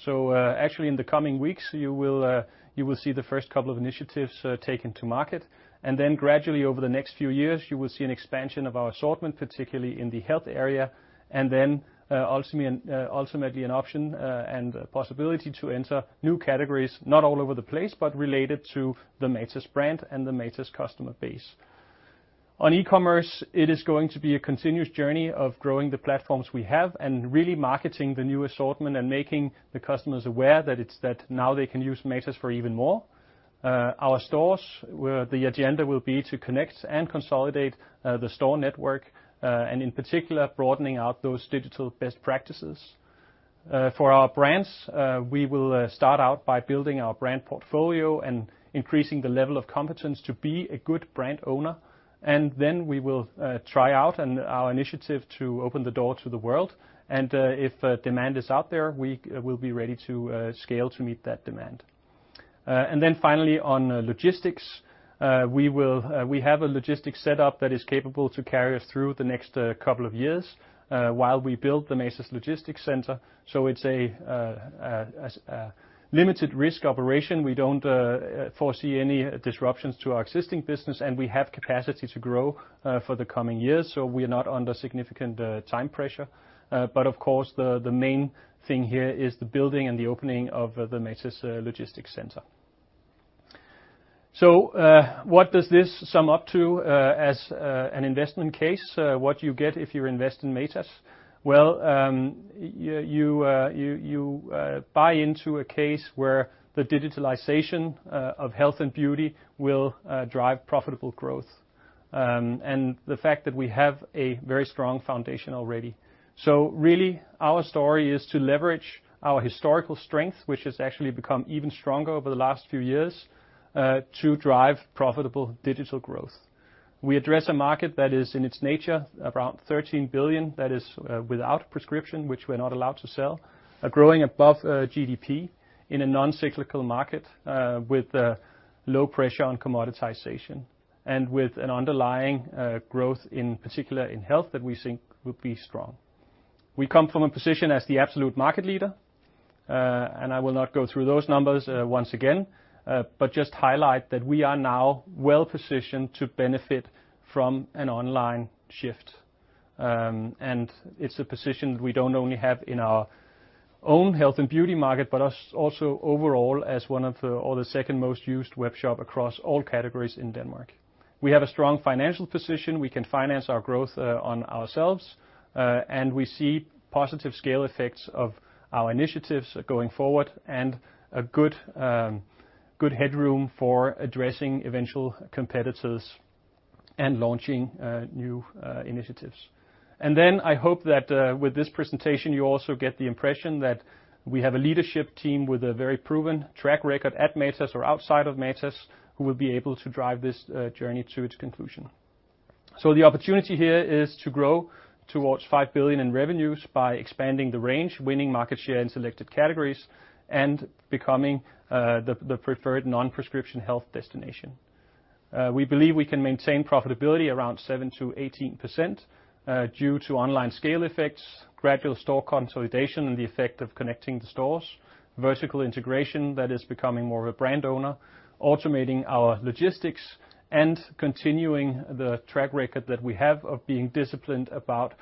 Speaker 1: Actually, in the coming weeks, you will see the first couple of initiatives taken to market, and then gradually over the next few years, you will see an expansion of our assortment, particularly in the health area, and then ultimately an option and possibility to enter new categories, not all over the place, but related to the Matas brand and the Matas customer base. On E-Commerce, it is going to be a continuous journey of growing the platforms we have and really marketing the new assortment and making the customers aware that now they can use Matas for even more. Our stores, where the agenda will be to connect and consolidate the store network, in particular, broadening out those digital best practices. For our brands, we will start out by building our brand portfolio and increasing the level of competence to be a good brand owner, then we will try out our initiative to open the door to the world. If demand is out there, we will be ready to scale to meet that demand. Finally, on logistics, we have a logistics setup that is capable to carry us through the next couple of years while we build the Matas Logistics Center. It's a limited risk operation. We don't foresee any disruptions to our existing business, and we have capacity to grow for the coming years. We are not under significant time pressure. Of course, the main thing here is the building and the opening of the Matas Logistics Center. What does this sum up to as an investment case? What you get if you invest in Matas? Well, you buy into a case where the digitalization of health and beauty will drive profitable growth. The fact that we have a very strong foundation already. Really, our story is to leverage our historical strength, which has actually become even stronger over the last few years, to drive profitable digital growth. We address a market that is in its nature around 13 billion. That is without prescription, which we're not allowed to sell, are growing above GDP in a non-cyclical market with low pressure on commoditization and with an underlying growth, in particular in health, that we think will be strong. We come from a position as the absolute market leader, I will not go through those numbers once again, but just highlight that we are now well-positioned to benefit from an online shift. It's a position that we don't only have in our own health and beauty market, but also overall as one of the, or the second-most used webshop across all categories in Denmark. We have a strong financial position. We can finance our growth on ourselves, We see positive scale effects of our initiatives going forward and a good headroom for addressing eventual competitors and launching new initiatives. Then I hope that with this presentation, you also get the impression that we have a leadership team with a very proven track record at Matas or outside of Matas who will be able to drive this journey to its conclusion. The opportunity here is to grow towards 5 billion in revenues by expanding the range, winning market share in selected categories, and becoming the preferred non-prescription health destination. We believe we can maintain profitability around 7%-18% due to online scale effects, gradual store consolidation, and the effect of connecting the stores, vertical integration that is becoming more of a brand owner, automating our logistics, and continuing the track record that we have of being disciplined about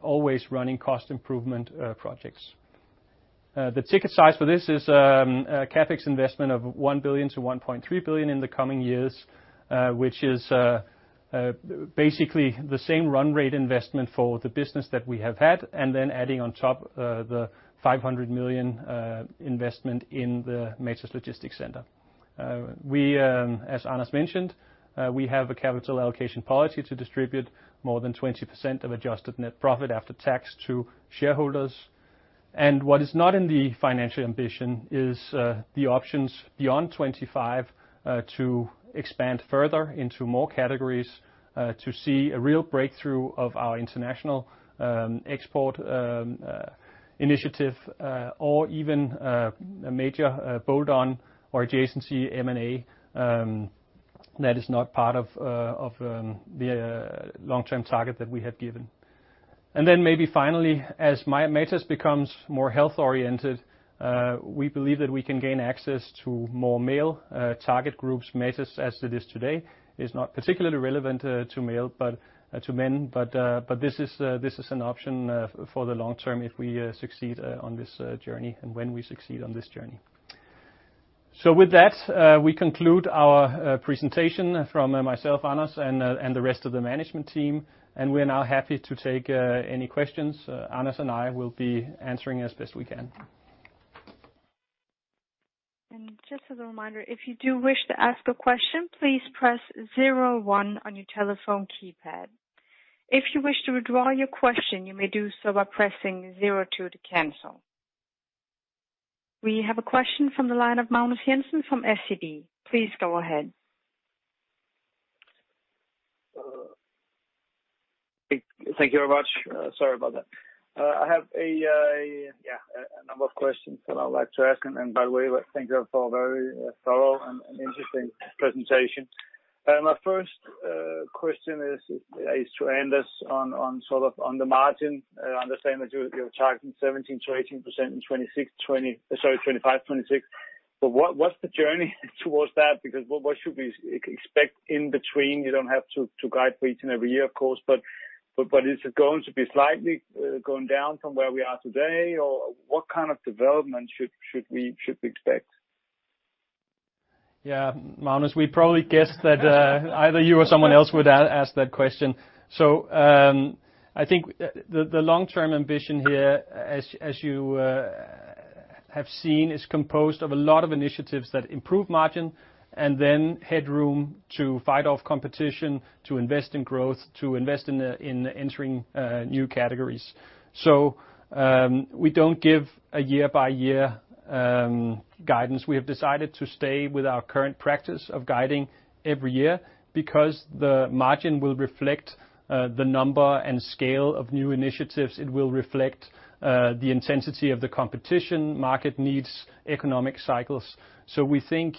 Speaker 1: always running cost improvement projects. The ticket size for this is a CapEx investment of 1 billion-1.3 billion in the coming years, which is basically the same run rate investment for the business that we have had, and then adding on top the 500 million investment in the Matas Logistics Center. As Anders mentioned, we have a capital allocation policy to distribute more than 20% of adjusted net profit after tax to shareholders. What is not in the financial ambition is the options beyond 2025 to expand further into more categories to see a real breakthrough of our international export initiative or even a major bolt-on or adjacency M&A. That is not part of the long-term target that we have given. Finally, as Matas becomes more health-oriented, we believe that we can gain access to more male target groups. Matas, as it is today, is not particularly relevant to men, but this is an option for the long term if we succeed on this journey, and when we succeed on this journey. With that, we conclude our presentation from myself, Anders, and the rest of the management team, and we're now happy to take any questions. Anders and I will be answering as best as we can.
Speaker 9: Just a reminder if you do wish to ask a question, please press zero one on your telephone keypad. If you wish to withdraw your question, you may do so by pressing zero two. We have a question from the line of Magnus Jensen from SEB. Please go ahead.
Speaker 10: Thank you very much. Sorry about that. I have a number of questions that I would like to ask. By the way, thank you for a very thorough and interesting presentation. My first question is to Anders on the margin. I understand that you're targeting 17%-18% in 2025, 2026. What's the journey towards that? What should we expect in between? You don't have to guide for each and every year, of course. Is it going to be slightly going down from where we are today, or what kind of development should we expect?
Speaker 1: Yeah. Magnus, we probably guessed that either you or someone else would ask that question. I think the long-term ambition here, as you have seen is composed of a lot of initiatives that improve margin and then headroom to fight off competition, to invest in growth, to invest in entering new categories. We don't give a year-by-year guidance. We have decided to stay with our current practice of guiding every year because the margin will reflect the number and scale of new initiatives. It will reflect the intensity of the competition, market needs, economic cycles. We think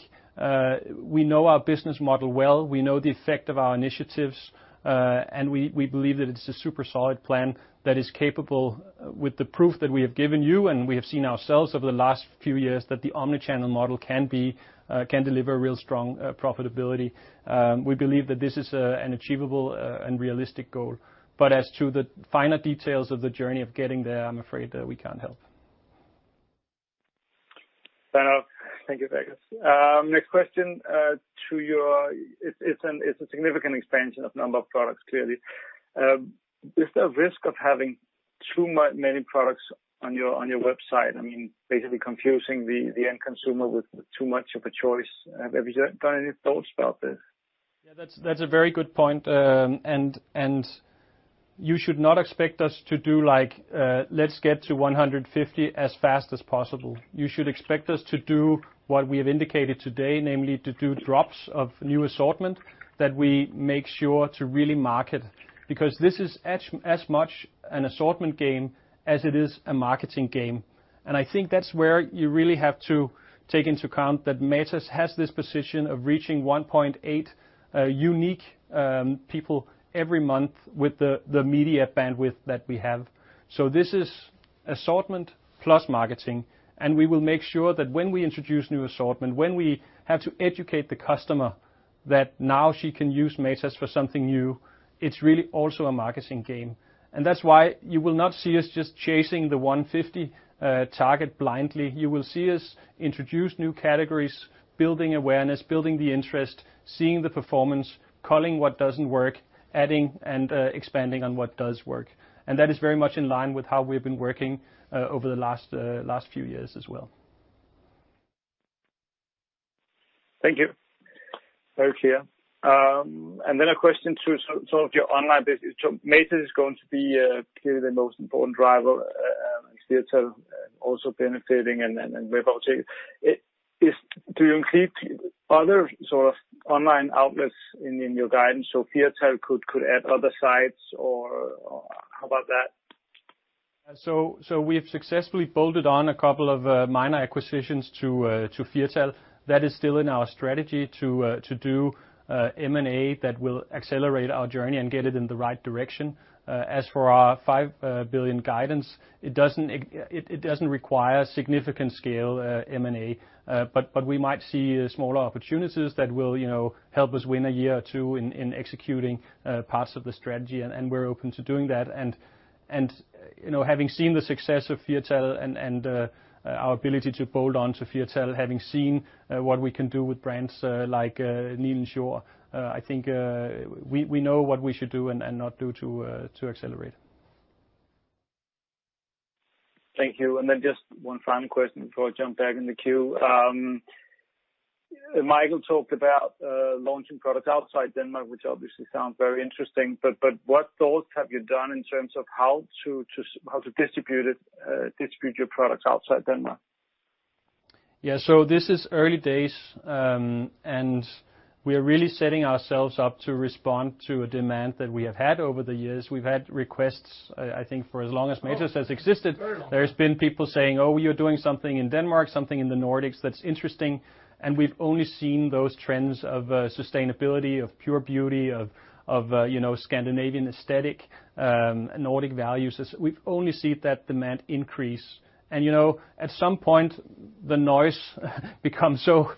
Speaker 1: we know our business model well. We know the effect of our initiatives. We believe that it's a super solid plan that is capable with the proof that we have given you and we have seen ourselves over the last few years that the omni-channel model can deliver real strong profitability. We believe that this is an achievable and realistic goal. As to the finer details of the journey of getting there, I'm afraid we can't help.
Speaker 10: Fair enough. Thank you, Gregers. It's a significant expansion of number of products clearly. Is there a risk of having too many products on your website? Basically confusing the end consumer with too much of a choice. Have you got any thoughts about this?
Speaker 1: Yeah, that's a very good point. You should not expect us to do like, let's get to 150 as fast as possible. You should expect us to do what we have indicated today, namely, to do drops of new assortment that we make sure to really market, because this is as much an assortment game as it is a marketing game. I think that's where you really have to take into account that Matas has this position of reaching 1.8 unique people every month with the media bandwidth that we have. This is assortment plus marketing, and we will make sure that when we introduce new assortment, when we have to educate the customer, that now she can use Matas for something new. It's really also a marketing game. That's why you will not see us just chasing the 150 target blindly. You will see us introduce new categories, building awareness, building the interest, seeing the performance, culling what doesn't work, adding and expanding on what does work. That is very much in line with how we've been working over the last few years as well.
Speaker 10: Thank you. Very clear. A question to sort of your online business. Matas is going to be clearly the most important driver, Firtal also benefiting and Webapoteket. Do you include other sort of online outlets in your guidance? Firtal could add other sites or how about that?
Speaker 1: We have successfully bolted on a couple of minor acquisitions to Firtal. That is still in our strategy to do M&A that will accelerate our journey and get it in the right direction. As for our 5 billion guidance, it doesn't require significant scale M&A. We might see smaller opportunities that will help us win a year or two in executing parts of the strategy, and we're open to doing that. Having seen the success of Firtal and our ability to bolt on to Firtal, having seen what we can do with brands like Nilens Jord, I think we know what we should do and not do to accelerate.
Speaker 10: Thank you. Just one final question before I jump back in the queue. Michael talked about launching products outside Denmark, which obviously sounds very interesting. What thoughts have you done in terms of how to distribute your products outside Denmark?
Speaker 1: Yeah. This is early days, and we are really setting ourselves up to respond to a demand that we have had over the years. We've had requests, I think, for as long as Matas has existed.
Speaker 8: Very long time.
Speaker 1: There's been people saying, oh, you're doing something in Denmark, something in the Nordics that's interesting. We've only seen those trends of sustainability, of pure beauty, of Scandinavian aesthetic, Nordic values. We've only seen that demand increase. At some point, the noise becomes so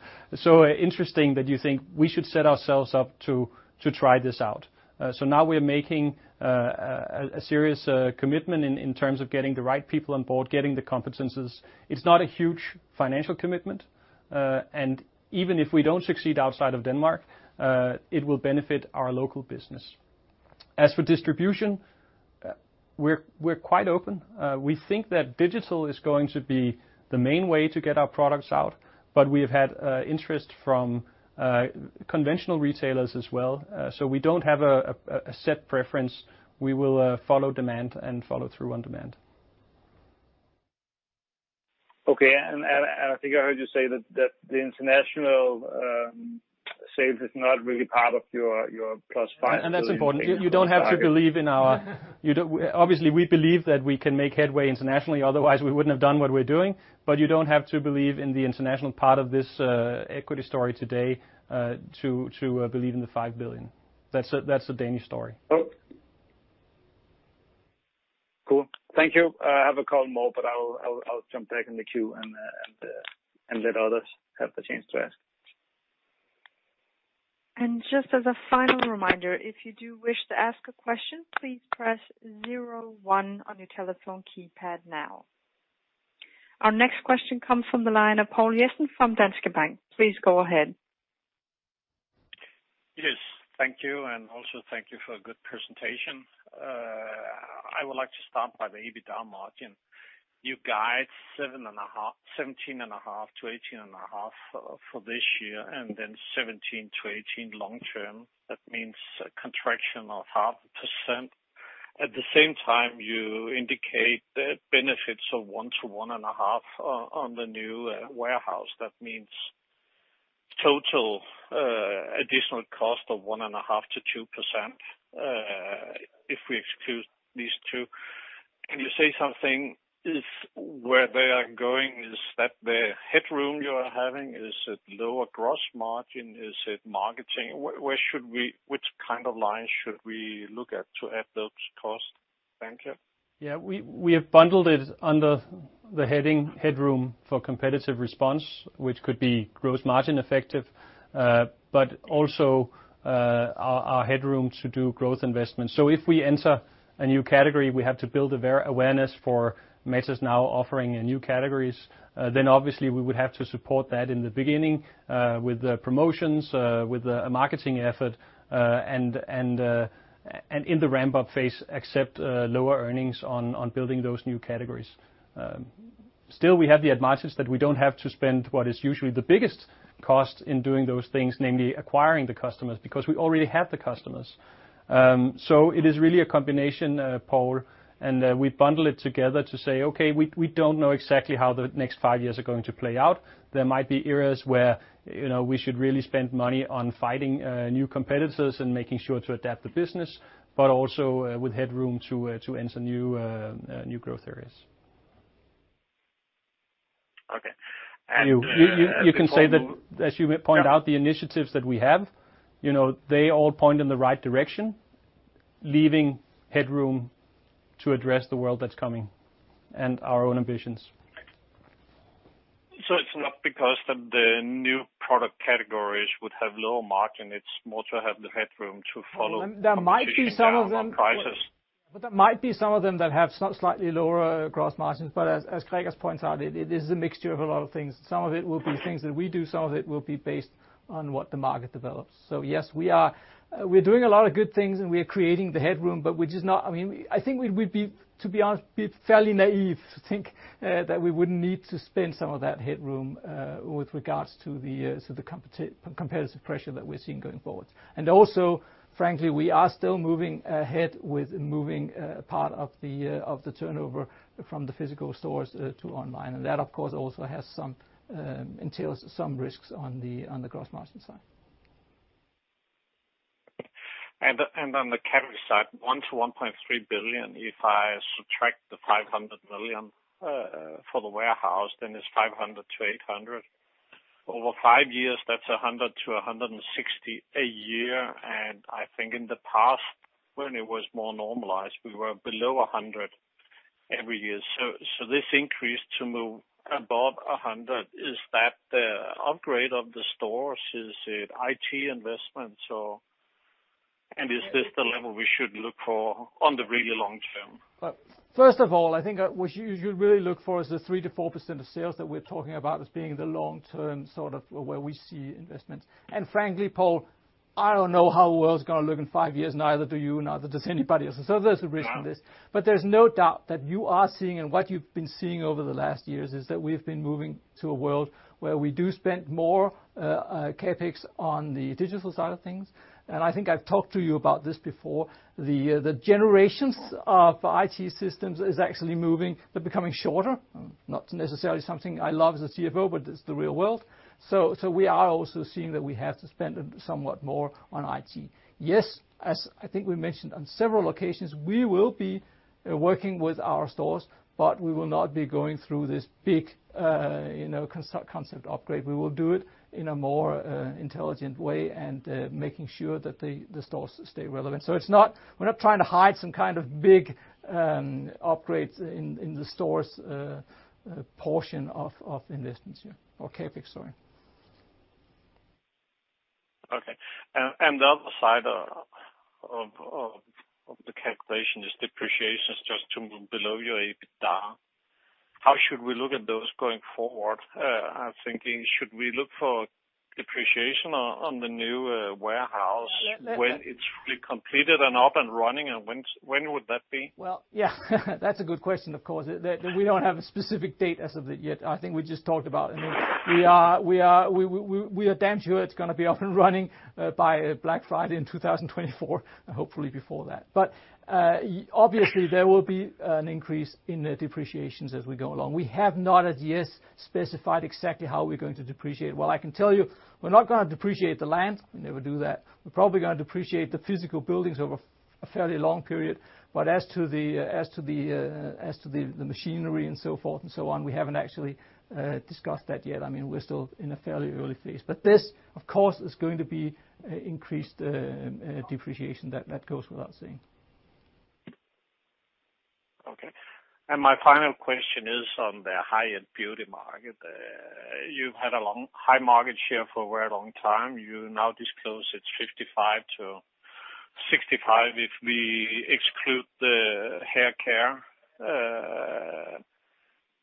Speaker 1: interesting that you think we should set ourselves up to try this out. Now we're making a serious commitment in terms of getting the right people on board, getting the competencies. It's not a huge financial commitment. Even if we don't succeed outside of Denmark, it will benefit our local business. As for distribution, we're quite open. We think that digital is going to be the main way to get our products out, but we have had interest from conventional retailers as well. We don't have a set preference. We will follow demand and follow through on demand.
Speaker 10: Okay. I think I heard you say that the international sales is not really part of your +5 billion target.
Speaker 1: That's important. You don't have to believe in obviously, we believe that we can make headway internationally, otherwise we wouldn't have done what we're doing. You don't have to believe in the international part of this equity story today to believe in the 5 billion. That's the Danish story.
Speaker 10: Cool. Thank you. I have a couple more, but I'll jump back in the queue and let others have the chance to ask.
Speaker 9: Just as a final reminder, if you do wish to ask a question, please press zero one on your telephone keypad now. Our next question comes from the line of Poul Jessen from Danske Bank. Please go ahead.
Speaker 11: It is. Thank you, also thank you for a good presentation. I would like to start by the EBITDA margin. You guide 17.5%-18.5% for this year, then 17%-18% long term. That means a contraction of 0.5%. At the same time, you indicate the benefits of 1%-1.5% on the new warehouse. That means total additional cost of 1.5%-2%, if we exclude these two. Can you say something if where they are going, is that the headroom you are having? Is it lower gross margin? Is it marketing? Which kind of lines should we look at to add those costs? Thank you.
Speaker 1: We have bundled it under the heading Headroom for Competitive Response, which could be gross margin effective, but also our headroom to do growth investments. If we enter a new category, we have to build awareness for Matas now offering new categories. Obviously we would have to support that in the beginning with promotions, with a marketing effort, and in the ramp-up phase, accept lower earnings on building those new categories. Still, we have the advantage that we don't have to spend what is usually the biggest cost in doing those things, namely acquiring the customers, because we already have the customers. It is really a combination, Poul, and we bundle it together to say, okay, we don't know exactly how the next five years are going to play out. There might be areas where we should really spend money on fighting new competitors and making sure to adapt the business, but also with headroom to enter new growth areas.
Speaker 11: Okay.
Speaker 1: You can say that, as you point out, the initiatives that we have, they all point in the right direction, leaving headroom to address the world that's coming and our own ambitions.
Speaker 11: It's not because the new product categories would have lower margin, it's more to have the headroom to follow competition down on prices.
Speaker 8: There might be some of them that have slightly lower gross margins. As Gregers points out, it is a mixture of a lot of things. Some of it will be things that we do, some of it will be based on what the market develops. Yes, we're doing a lot of good things and we are creating the headroom, but we'd be, to be honest, fairly naive to think that we wouldn't need to spend some of that headroom with regards to the competitive pressure that we're seeing going forward. Also, frankly, we are still moving ahead with moving a part of the turnover from the physical stores to online. That, of course, also entails some risks on the gross margin side.
Speaker 11: On the CapEx side, 1 billion-1.3 billion, if I subtract the 500 million for the warehouse, then it's 500-800. Over five years, that's 100-160 a year. I think in the past when it was more normalized, we were below 100 every year. This increase to move above 100, is that the upgrade of the stores? Is it IT investments, or? Is this the level we should look for on the really long term?
Speaker 8: First of all, I think what you should really look for is the 3%-4% of sales that we're talking about as being the long term, sort of where we see investments. Frankly, Poul, I don't know how the world's going to look in five years. Neither do you, neither does anybody else. There's a risk in this. There's no doubt that you are seeing, and what you've been seeing over the last years, is that we've been moving to a world where we do spend more CapEx on the digital side of things. I think I've talked to you about this before. The generations of IT systems is actually moving, but becoming shorter. Not necessarily something I love as a CFO, but it's the real world. We are also seeing that we have to spend somewhat more on IT. As I think we mentioned on several occasions, we will be working with our stores, we will not be going through this big concept upgrade. We will do it in a more intelligent way and making sure that the stores stay relevant. We're not trying to hide some kind of big upgrades in the stores portion of investments. CapEx, sorry.
Speaker 11: Okay. The other side of the calculation is depreciation is just to move below your EBITDA. How should we look at those going forward? I'm thinking, should we look for depreciation on the new warehouse when it's really completed and up and running, and when would that be?
Speaker 8: Well, yeah. That's a good question, of course. We don't have a specific date as of yet. I think we just talked about, we are damn sure it's going to be up and running by Black Friday in 2024, hopefully before that. Obviously there will be an increase in the depreciations as we go along. We have not as yet specified exactly how we're going to depreciate. What I can tell you, we're not going to depreciate the land. We never do that. We're probably going to depreciate the physical buildings over a fairly long period. As to the machinery and so forth and so on, we haven't actually discussed that yet. We're still in a fairly early phase. This, of course, is going to be increased depreciation. That goes without saying.
Speaker 11: Okay. My final question is on the high-end beauty market. You've had a high market share for a very long time. You now disclose it's 55%-65%, if we exclude the haircare.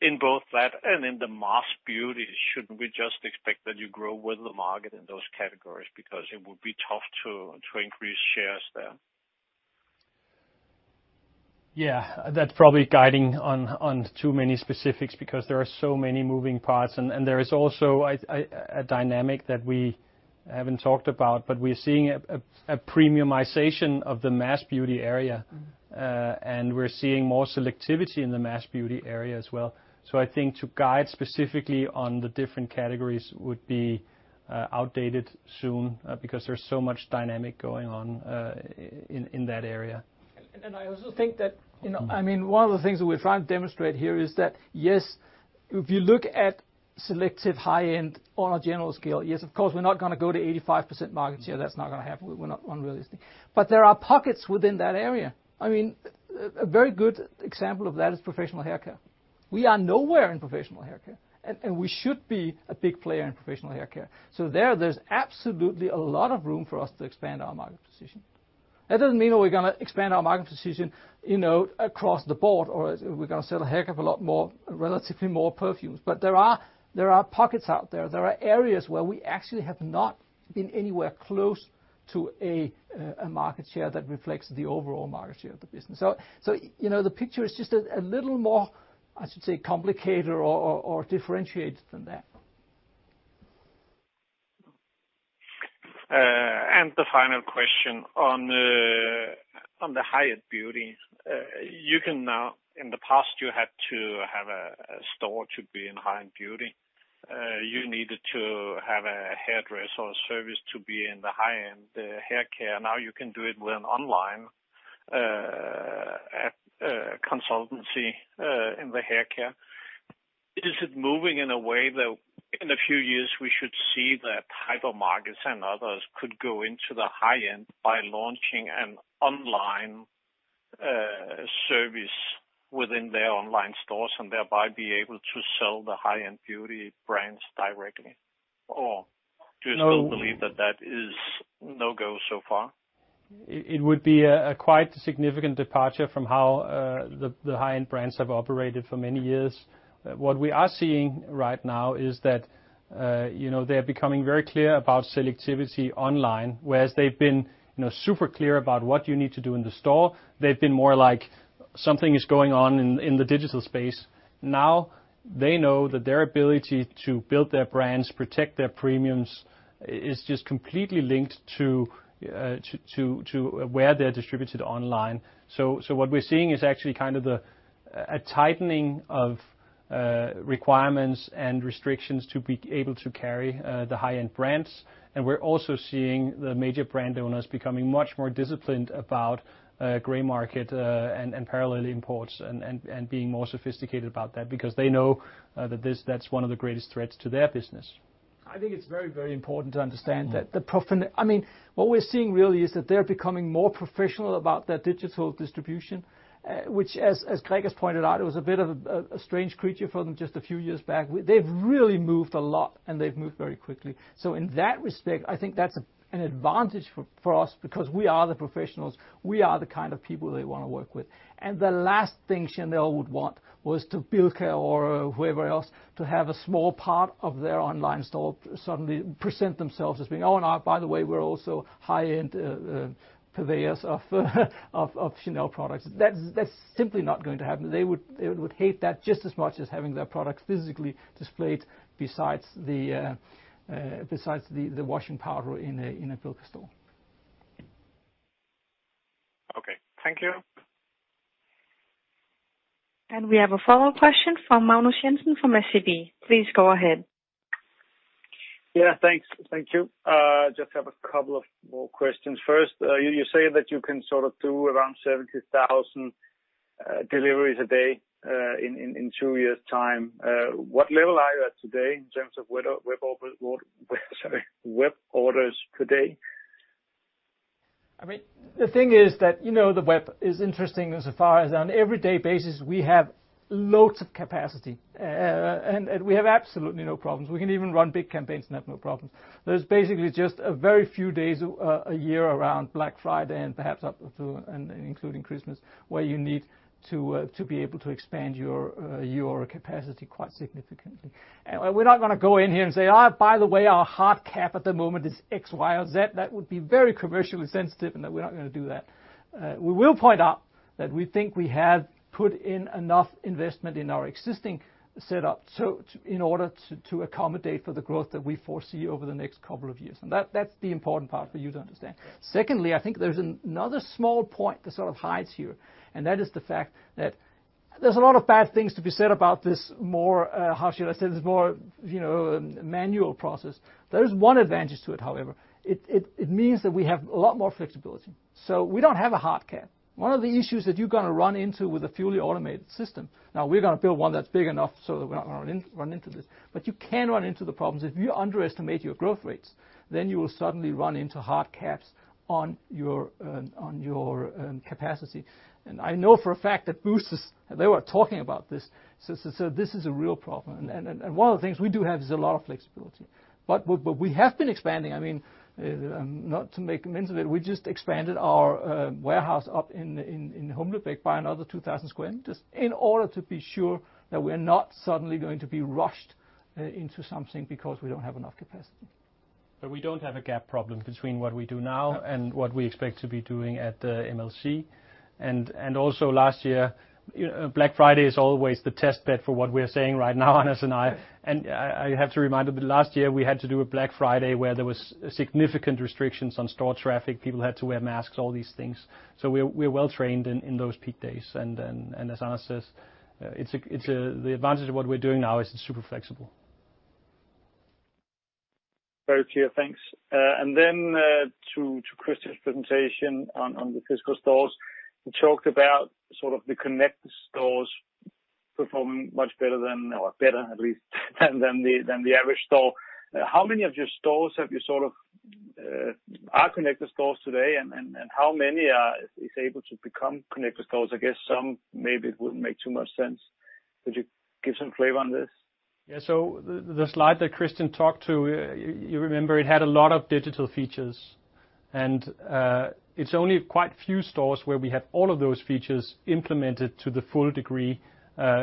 Speaker 11: In both that and in the mass beauty, shouldn't we just expect that you grow with the market in those categories because it would be tough to increase shares there?
Speaker 1: Yeah. That's probably guiding on too many specifics because there are so many moving parts, and there is also a dynamic that we haven't talked about. We're seeing a premiumization of the mass beauty area, and we're seeing more selectivity in the mass beauty area as well. I think to guide specifically on the different categories would be outdated soon, because there's so much dynamic going on in that area.
Speaker 8: I also think that one of the things that we're trying to demonstrate here is that, yes, if you look at selective high-end on a general scale, yes, of course we're not going to go to 85% market share. That's not going to happen. We're not unrealistic. There are pockets within that area. A very good example of that is professional haircare. We are nowhere in professional haircare, and we should be a big player in professional haircare. There's absolutely a lot of room for us to expand our market position. That doesn't mean that we're going to expand our market position across the board, or we're going to sell a heck of a lot more, relatively more perfumes. There are pockets out there. There are areas where we actually have not been anywhere close to a market share that reflects the overall market share of the business. The picture is just a little more, I should say, complicated or differentiated than that.
Speaker 11: The final question on the high-end beauty. In the past, you had to have a store to be in high-end beauty. You needed to have a hairdresser or service to be in the high-end haircare. You can do it with an online consultancy in the haircare. Is it moving in a way that in a few years, we should see that hypermarkets and others could go into the high-end by launching an online service within their online stores, and thereby be able to sell the high-end beauty brands directly? Do you still believe that that is no-go so far?
Speaker 1: It would be a quite significant departure from how the high-end brands have operated for many years. What we are seeing right now is that they're becoming very clear about selectivity online, whereas they've been super clear about what you need to do in the store. They've been more like something is going on in the digital space. They know that their ability to build their brands, protect their premiums, is just completely linked to where they're distributed online. What we're seeing is actually a tightening of requirements and restrictions to be able to carry the high-end brands. We're also seeing the major brand owners becoming much more disciplined about gray market and parallel imports and being more sophisticated about that because they know that that's one of the greatest threats to their business.
Speaker 8: I think it's very, very important to understand that. What we're seeing really is that they're becoming more professional about their digital distribution, which as Gregers has pointed out, it was a bit of a strange creature for them just a few years back. They've really moved a lot, and they've moved very quickly. In that respect, I think that's an advantage for us because we are the professionals. We are the kind of people they want to work with. The last thing Chanel would want was to Bilka or whoever else to have a small part of their online store suddenly present themselves as being, oh, and by the way, we're also high-end purveyors of Chanel products. That's simply not going to happen. They would hate that just as much as having their products physically displayed besides the washing powder in a Bilka store.
Speaker 11: Okay. Thank you.
Speaker 9: We have a follow-up question from Magnus Jensen from SEB. Please go ahead.
Speaker 10: Thanks. Thank you. Just have a couple of more questions. First, you say that you can sort of do around 70,000 deliveries a day in two years' time. What level are you at today in terms of web orders today?
Speaker 8: The thing is that the web is interesting as far as on everyday basis, we have loads of capacity, and we have absolutely no problems. We can even run big campaigns and have no problems. There's basically just a very few days a year around Black Friday and perhaps up to and including Christmas, where you need to be able to expand your capacity quite significantly. We're not going to go in here and say, oh, by the way, our hard cap at the moment is X, Y, or Z. That would be very commercially sensitive, and we're not going to do that. We will point out that we think we have put in enough investment in our existing setup in order to accommodate for the growth that we foresee over the next couple of years. That's the important part for you to understand. Secondly, I think there's another small point that sort of hides here, and that is the fact that there's a lot of bad things to be said about this more, how should I say this, more manual process. There is one advantage to it, however. It means that we have a lot more flexibility. We don't have a hard cap. One of the issues that you're going to run into with a fully automated system, now we're going to build one that's big enough so that we're not going to run into this, but you can run into the problems. If you underestimate your growth rates, then you will suddenly run into hard caps on your capacity. I know for a fact that Boozt, they were talking about this. This is a real problem. One of the things we do have is a lot of flexibility. we have been expanding. Not to make a fuss of it, we just expanded our warehouse up in Humlebæk by another 2,000 sq m in order to be sure that we're not suddenly going to be rushed into something because we don't have enough capacity.
Speaker 1: We don't have a gap problem between what we do now and what we expect to be doing at the MLC. Also last year, Black Friday is always the test bed for what we're saying right now, Anders and I. I have to remind that last year we had to do a Black Friday where there was significant restrictions on store traffic. People had to wear masks, all these things. We're well-trained in those peak days. As Anders says, the advantage of what we're doing now is it's super flexible.
Speaker 10: Very clear. Thanks. Then to Christian's presentation on the physical stores. You talked about sort of the connected stores performing much better than, or better at least, than the average store. How many of your stores are connected stores today, and how many is able to become connected stores? I guess some maybe it wouldn't make too much sense. Could you give some flavor on this?
Speaker 1: Yeah. The slide that Christian talked to, you remember it had a lot of digital features, it's only quite few stores where we have all of those features implemented to the full degree,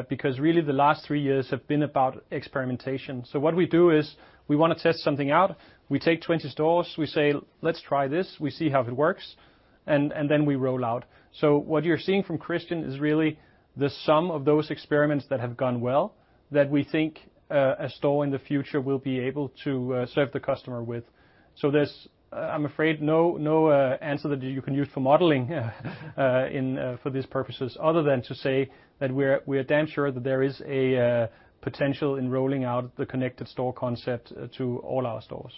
Speaker 1: because really the last three years have been about experimentation. What we do is we want to test something out, we take 20 stores, we say, let's try this. We see how it works, then we roll out. What you're seeing from Christian is really the sum of those experiments that have gone well, that we think a store in the future will be able to serve the customer with. There's, I'm afraid, no answer that you can use for modeling for these purposes other than to say that we're damn sure that there is a potential in rolling out the connected store concept to all our stores.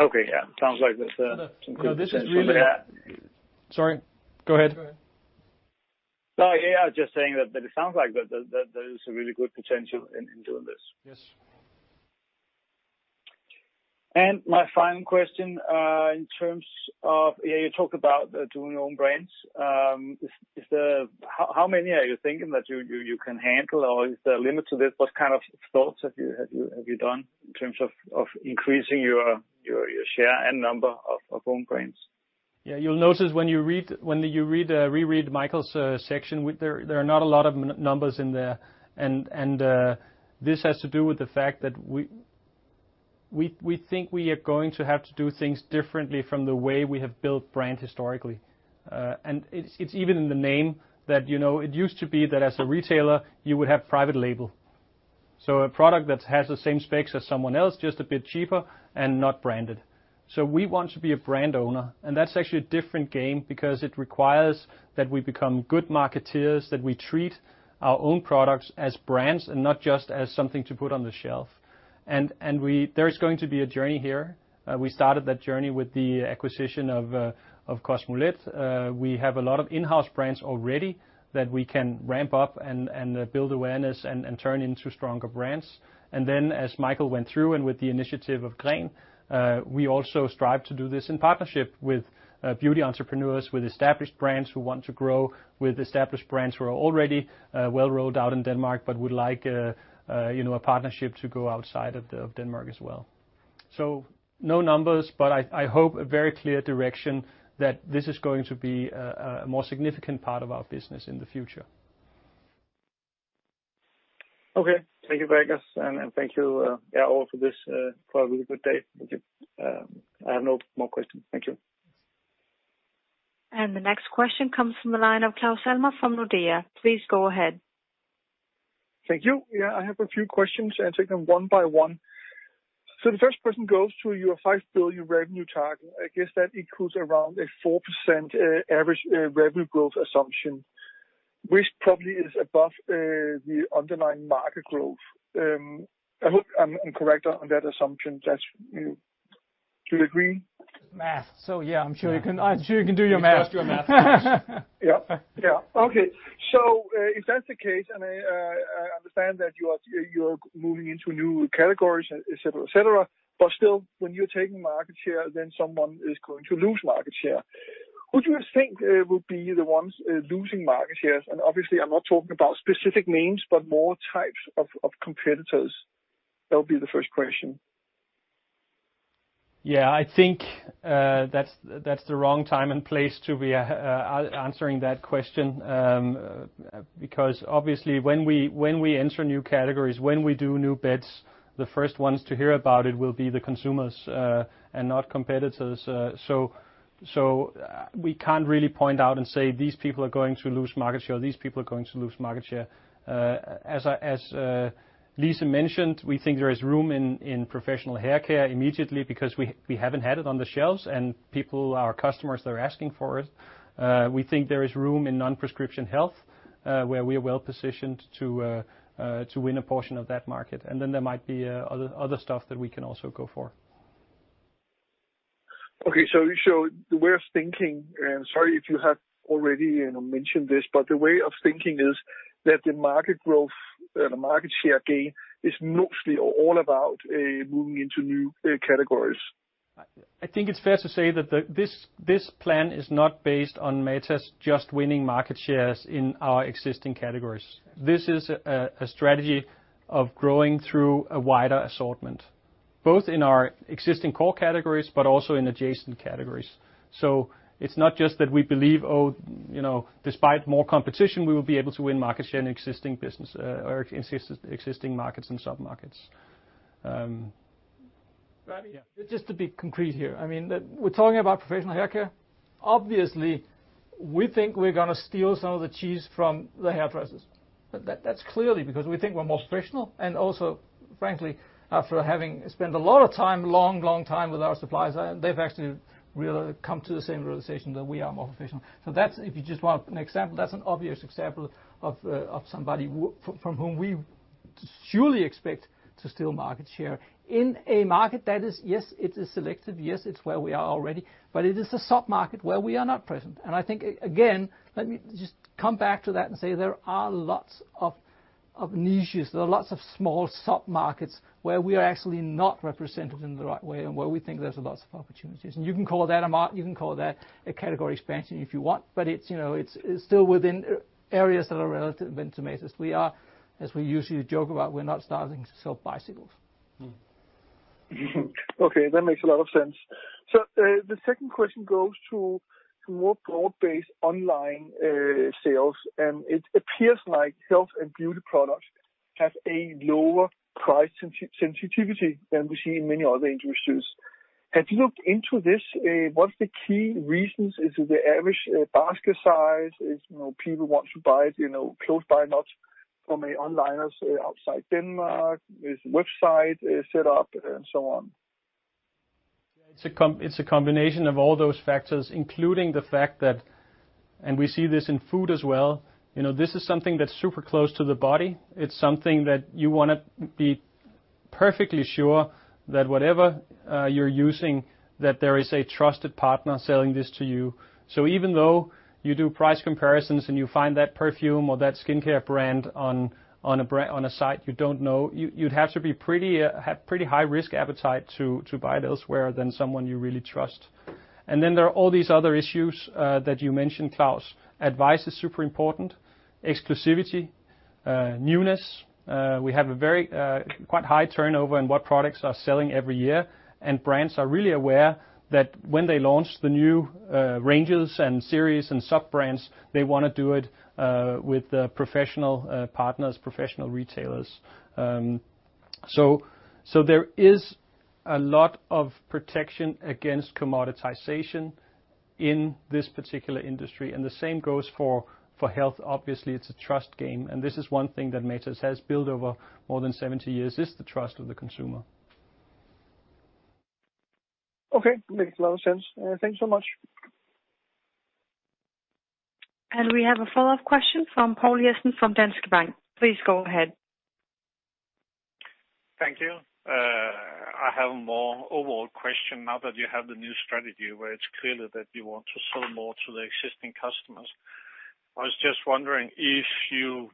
Speaker 10: Okay. Yeah.
Speaker 1: No, this is really-
Speaker 10: Yeah.
Speaker 1: Sorry, go ahead.
Speaker 10: No. Yeah, just saying that it sounds like that there is a really good potential in doing this.
Speaker 1: Yes.
Speaker 10: My final question, in terms of, you talked about doing your own brands. How many are you thinking that you can handle, or is there a limit to this? What kind of thoughts have you done in terms of increasing your share and number of own brands?
Speaker 1: Yeah. You'll notice when you reread Michael section, there are not a lot of numbers in there. This has to do with the fact that we think we are going to have to do things differently from the way we have built brand historically. It's even in the name that it used to be that as a retailer you would have private label. A product that has the same specs as someone else, just a bit cheaper and not branded. We want to be a brand owner, and that's actually a different game because it requires that we become good marketeers, that we treat our own products as brands and not just as something to put on the shelf. There is going to be a journey here. We started that journey with the acquisition of Kosmolet. We have a lot of in-house brands already that we can ramp up and build awareness and turn into stronger brands. Then as Michael went through and with the initiative of Grænn, we also strive to do this in partnership with beauty entrepreneurs, with established brands who want to grow, with established brands who are already well rolled out in Denmark but would like a partnership to go outside of Denmark as well. No numbers, but I hope a very clear direction that this is going to be a more significant part of our business in the future.
Speaker 10: Okay. Thank you, Gregers, and thank you, yeah, all for this, for a really good day. Thank you. I have no more questions. Thank you.
Speaker 9: The next question comes from the line of Claus Almer from Nordea. Please go ahead.
Speaker 12: Thank you. Yeah, I have a few questions. I'll take them one-by-one. The first question goes to your 5 billion revenue target. I guess that includes around a 4% average revenue growth assumption, which probably is above the underlying market growth. I hope I'm correct on that assumption. Do you agree?
Speaker 1: Math. Yeah, I'm sure you can do your math. You trust your math.
Speaker 12: Yeah. Okay. If that's the case, I understand that you are moving into new categories, et cetera. Still, when you're taking market share, someone is going to lose market share. Who do you think will be the ones losing market shares? Obviously I'm not talking about specific names, but more types of competitors. That would be the first question.
Speaker 1: Yeah, I think that's the wrong time and place to be answering that question, because obviously when we enter new categories, when we do new bets, the first ones to hear about it will be the consumers and not competitors. We can't really point out and say, these people are going to lose market share. These people are going to lose market share. As Lise mentioned, we think there is room in professional haircare immediately because we haven't had it on the shelves, and people, our customers, they're asking for it. We think there is room in non-prescription health, where we are well-positioned to win a portion of that market. There might be other stuff that we can also go for.
Speaker 12: The way of thinking, and sorry if you have already mentioned this, but the way of thinking is that the market growth and the market share gain is mostly all about moving into new categories.
Speaker 1: I think it's fair to say that this plan is not based on Matas just winning market shares in our existing categories. This is a strategy of growing through a wider assortment, both in our existing core categories but also in adjacent categories. It's not just that we believe, oh, despite more competition we will be able to win market share in existing business or existing markets and sub-markets.
Speaker 8: Right. Just to be concrete here, we're talking about professional haircare. Obviously, we think we're going to steal some of the cheese from the hairdressers. That's clearly because we think we're more professional, and also, frankly, after having spent a lot of time, long time with our suppliers, they've actually really come to the same realization that we are more professional. That's, if you just want an example, that's an obvious example of somebody from whom we surely expect to steal market share in a market that is, yes, it is selective, yes, it's where we are already, but it is a sub-market where we are not present. I think, again, let me just come back to that and say there are lots of niches, there are lots of small sub-markets where we are actually not represented in the right way and where we think there's lots of opportunities. You can call that a category expansion if you want, but it's still within areas that are relevant to Matas. We are, as we usually joke about, we're not starting to sell bicycles.
Speaker 12: Okay, that makes a lot of sense. The second question goes to more broad-based online sales, and it appears like health and beauty products have a lower price sensitivity than we see in many other industries. Have you looked into this? What's the key reasons? Is it the average basket size? Is people want to buy close by, not from an online or outside Denmark? Is website set up and so on?
Speaker 1: It's a combination of all those factors, including the fact that, and we see this in food as well, this is something that's super close to the body. It's something that you want to be perfectly sure that whatever you're using, that there is a trusted partner selling this to you. Even though you do price comparisons and you find that perfume or that skincare brand on a site you don't know, you'd have to have pretty high-risk appetite to buy it elsewhere than someone you really trust. Then there are all these other issues that you mentioned, Claus. Advice is super important. Exclusivity, newness. We have a quite high turnover in what products are selling every year, and brands are really aware that when they launch the new ranges and series and sub-brands, they want to do it with professional partners, professional retailers. There is a lot of protection against commoditization in this particular industry, and the same goes for health. Obviously, it's a trust game, and this is one thing that Matas has built over more than 70 years, is the trust of the consumer.
Speaker 12: Okay. Makes a lot of sense. Thanks so much.
Speaker 9: We have a follow-up question from Poul Jessen from Danske Bank. Please go ahead.
Speaker 11: Thank you. I have a more overall question now that you have the new strategy where it is clear that you want to sell more to the existing customers. I was just wondering if you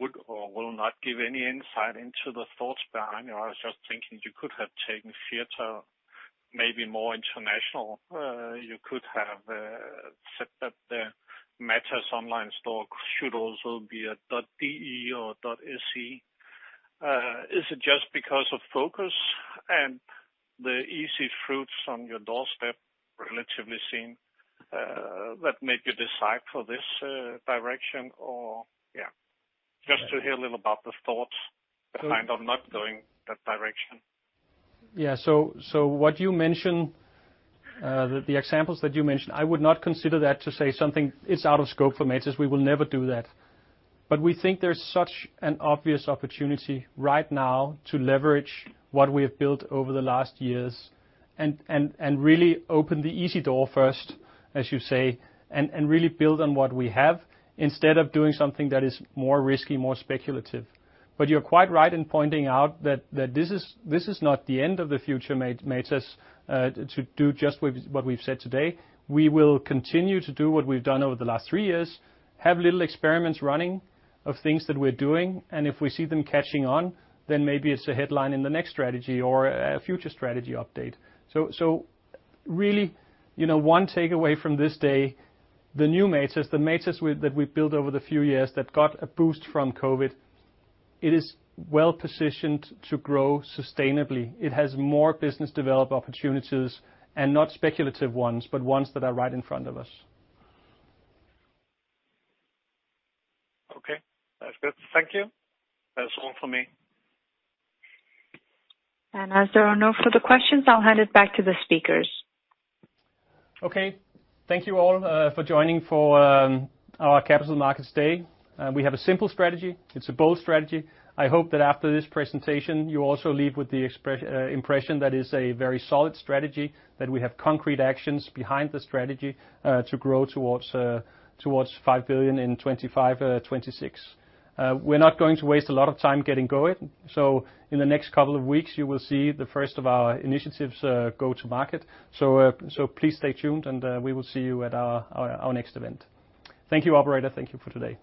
Speaker 11: would or will not give any insight into the thoughts behind it? I was just thinking you could have taken the other, maybe more international? You could have set up the Matas online store should also be a .de or .se. Is it just because of focus and the easy fruits on your doorstep, relatively seen, that made you decide for this direction or yeah? Just to hear a little about the thoughts behind on not going that direction.
Speaker 1: Yeah. What you mention, the examples that you mentioned, I would not consider that to say something it's out of scope for Matas. We will never do that. We think there's such an obvious opportunity right now to leverage what we have built over the last years and really open the easy door first, as you say, and really build on what we have instead of doing something that is more risky, more speculative. You're quite right in pointing out that this is not the end of the future Matas to do just what we've said today. We will continue to do what we've done over the last three years, have little experiments running of things that we're doing, and if we see them catching on, then maybe it's a headline in the next strategy or a future strategy update. Really, one takeaway from this day, the new Matas, the Matas that we've built over the few years that got a boost from COVID, it is well-positioned to grow sustainably. It has more business develop opportunities, and not speculative ones, but ones that are right in front of us.
Speaker 11: Okay. That's good. Thank you. That's all for me.
Speaker 9: As there are no further questions, I'll hand it back to the speakers.
Speaker 1: Okay. Thank you all for joining for our Capital Markets Day. We have a simple strategy. It's a bold strategy. I hope that after this presentation, you also leave with the impression that it's a very solid strategy, that we have concrete actions behind the strategy to grow towards 5 billion in 2025, 2026. We're not going to waste a lot of time getting going. In the next couple of weeks, you will see the first of our initiatives go to market. Please stay tuned, and we will see you at our next event. Thank you, operator. Thank you for today.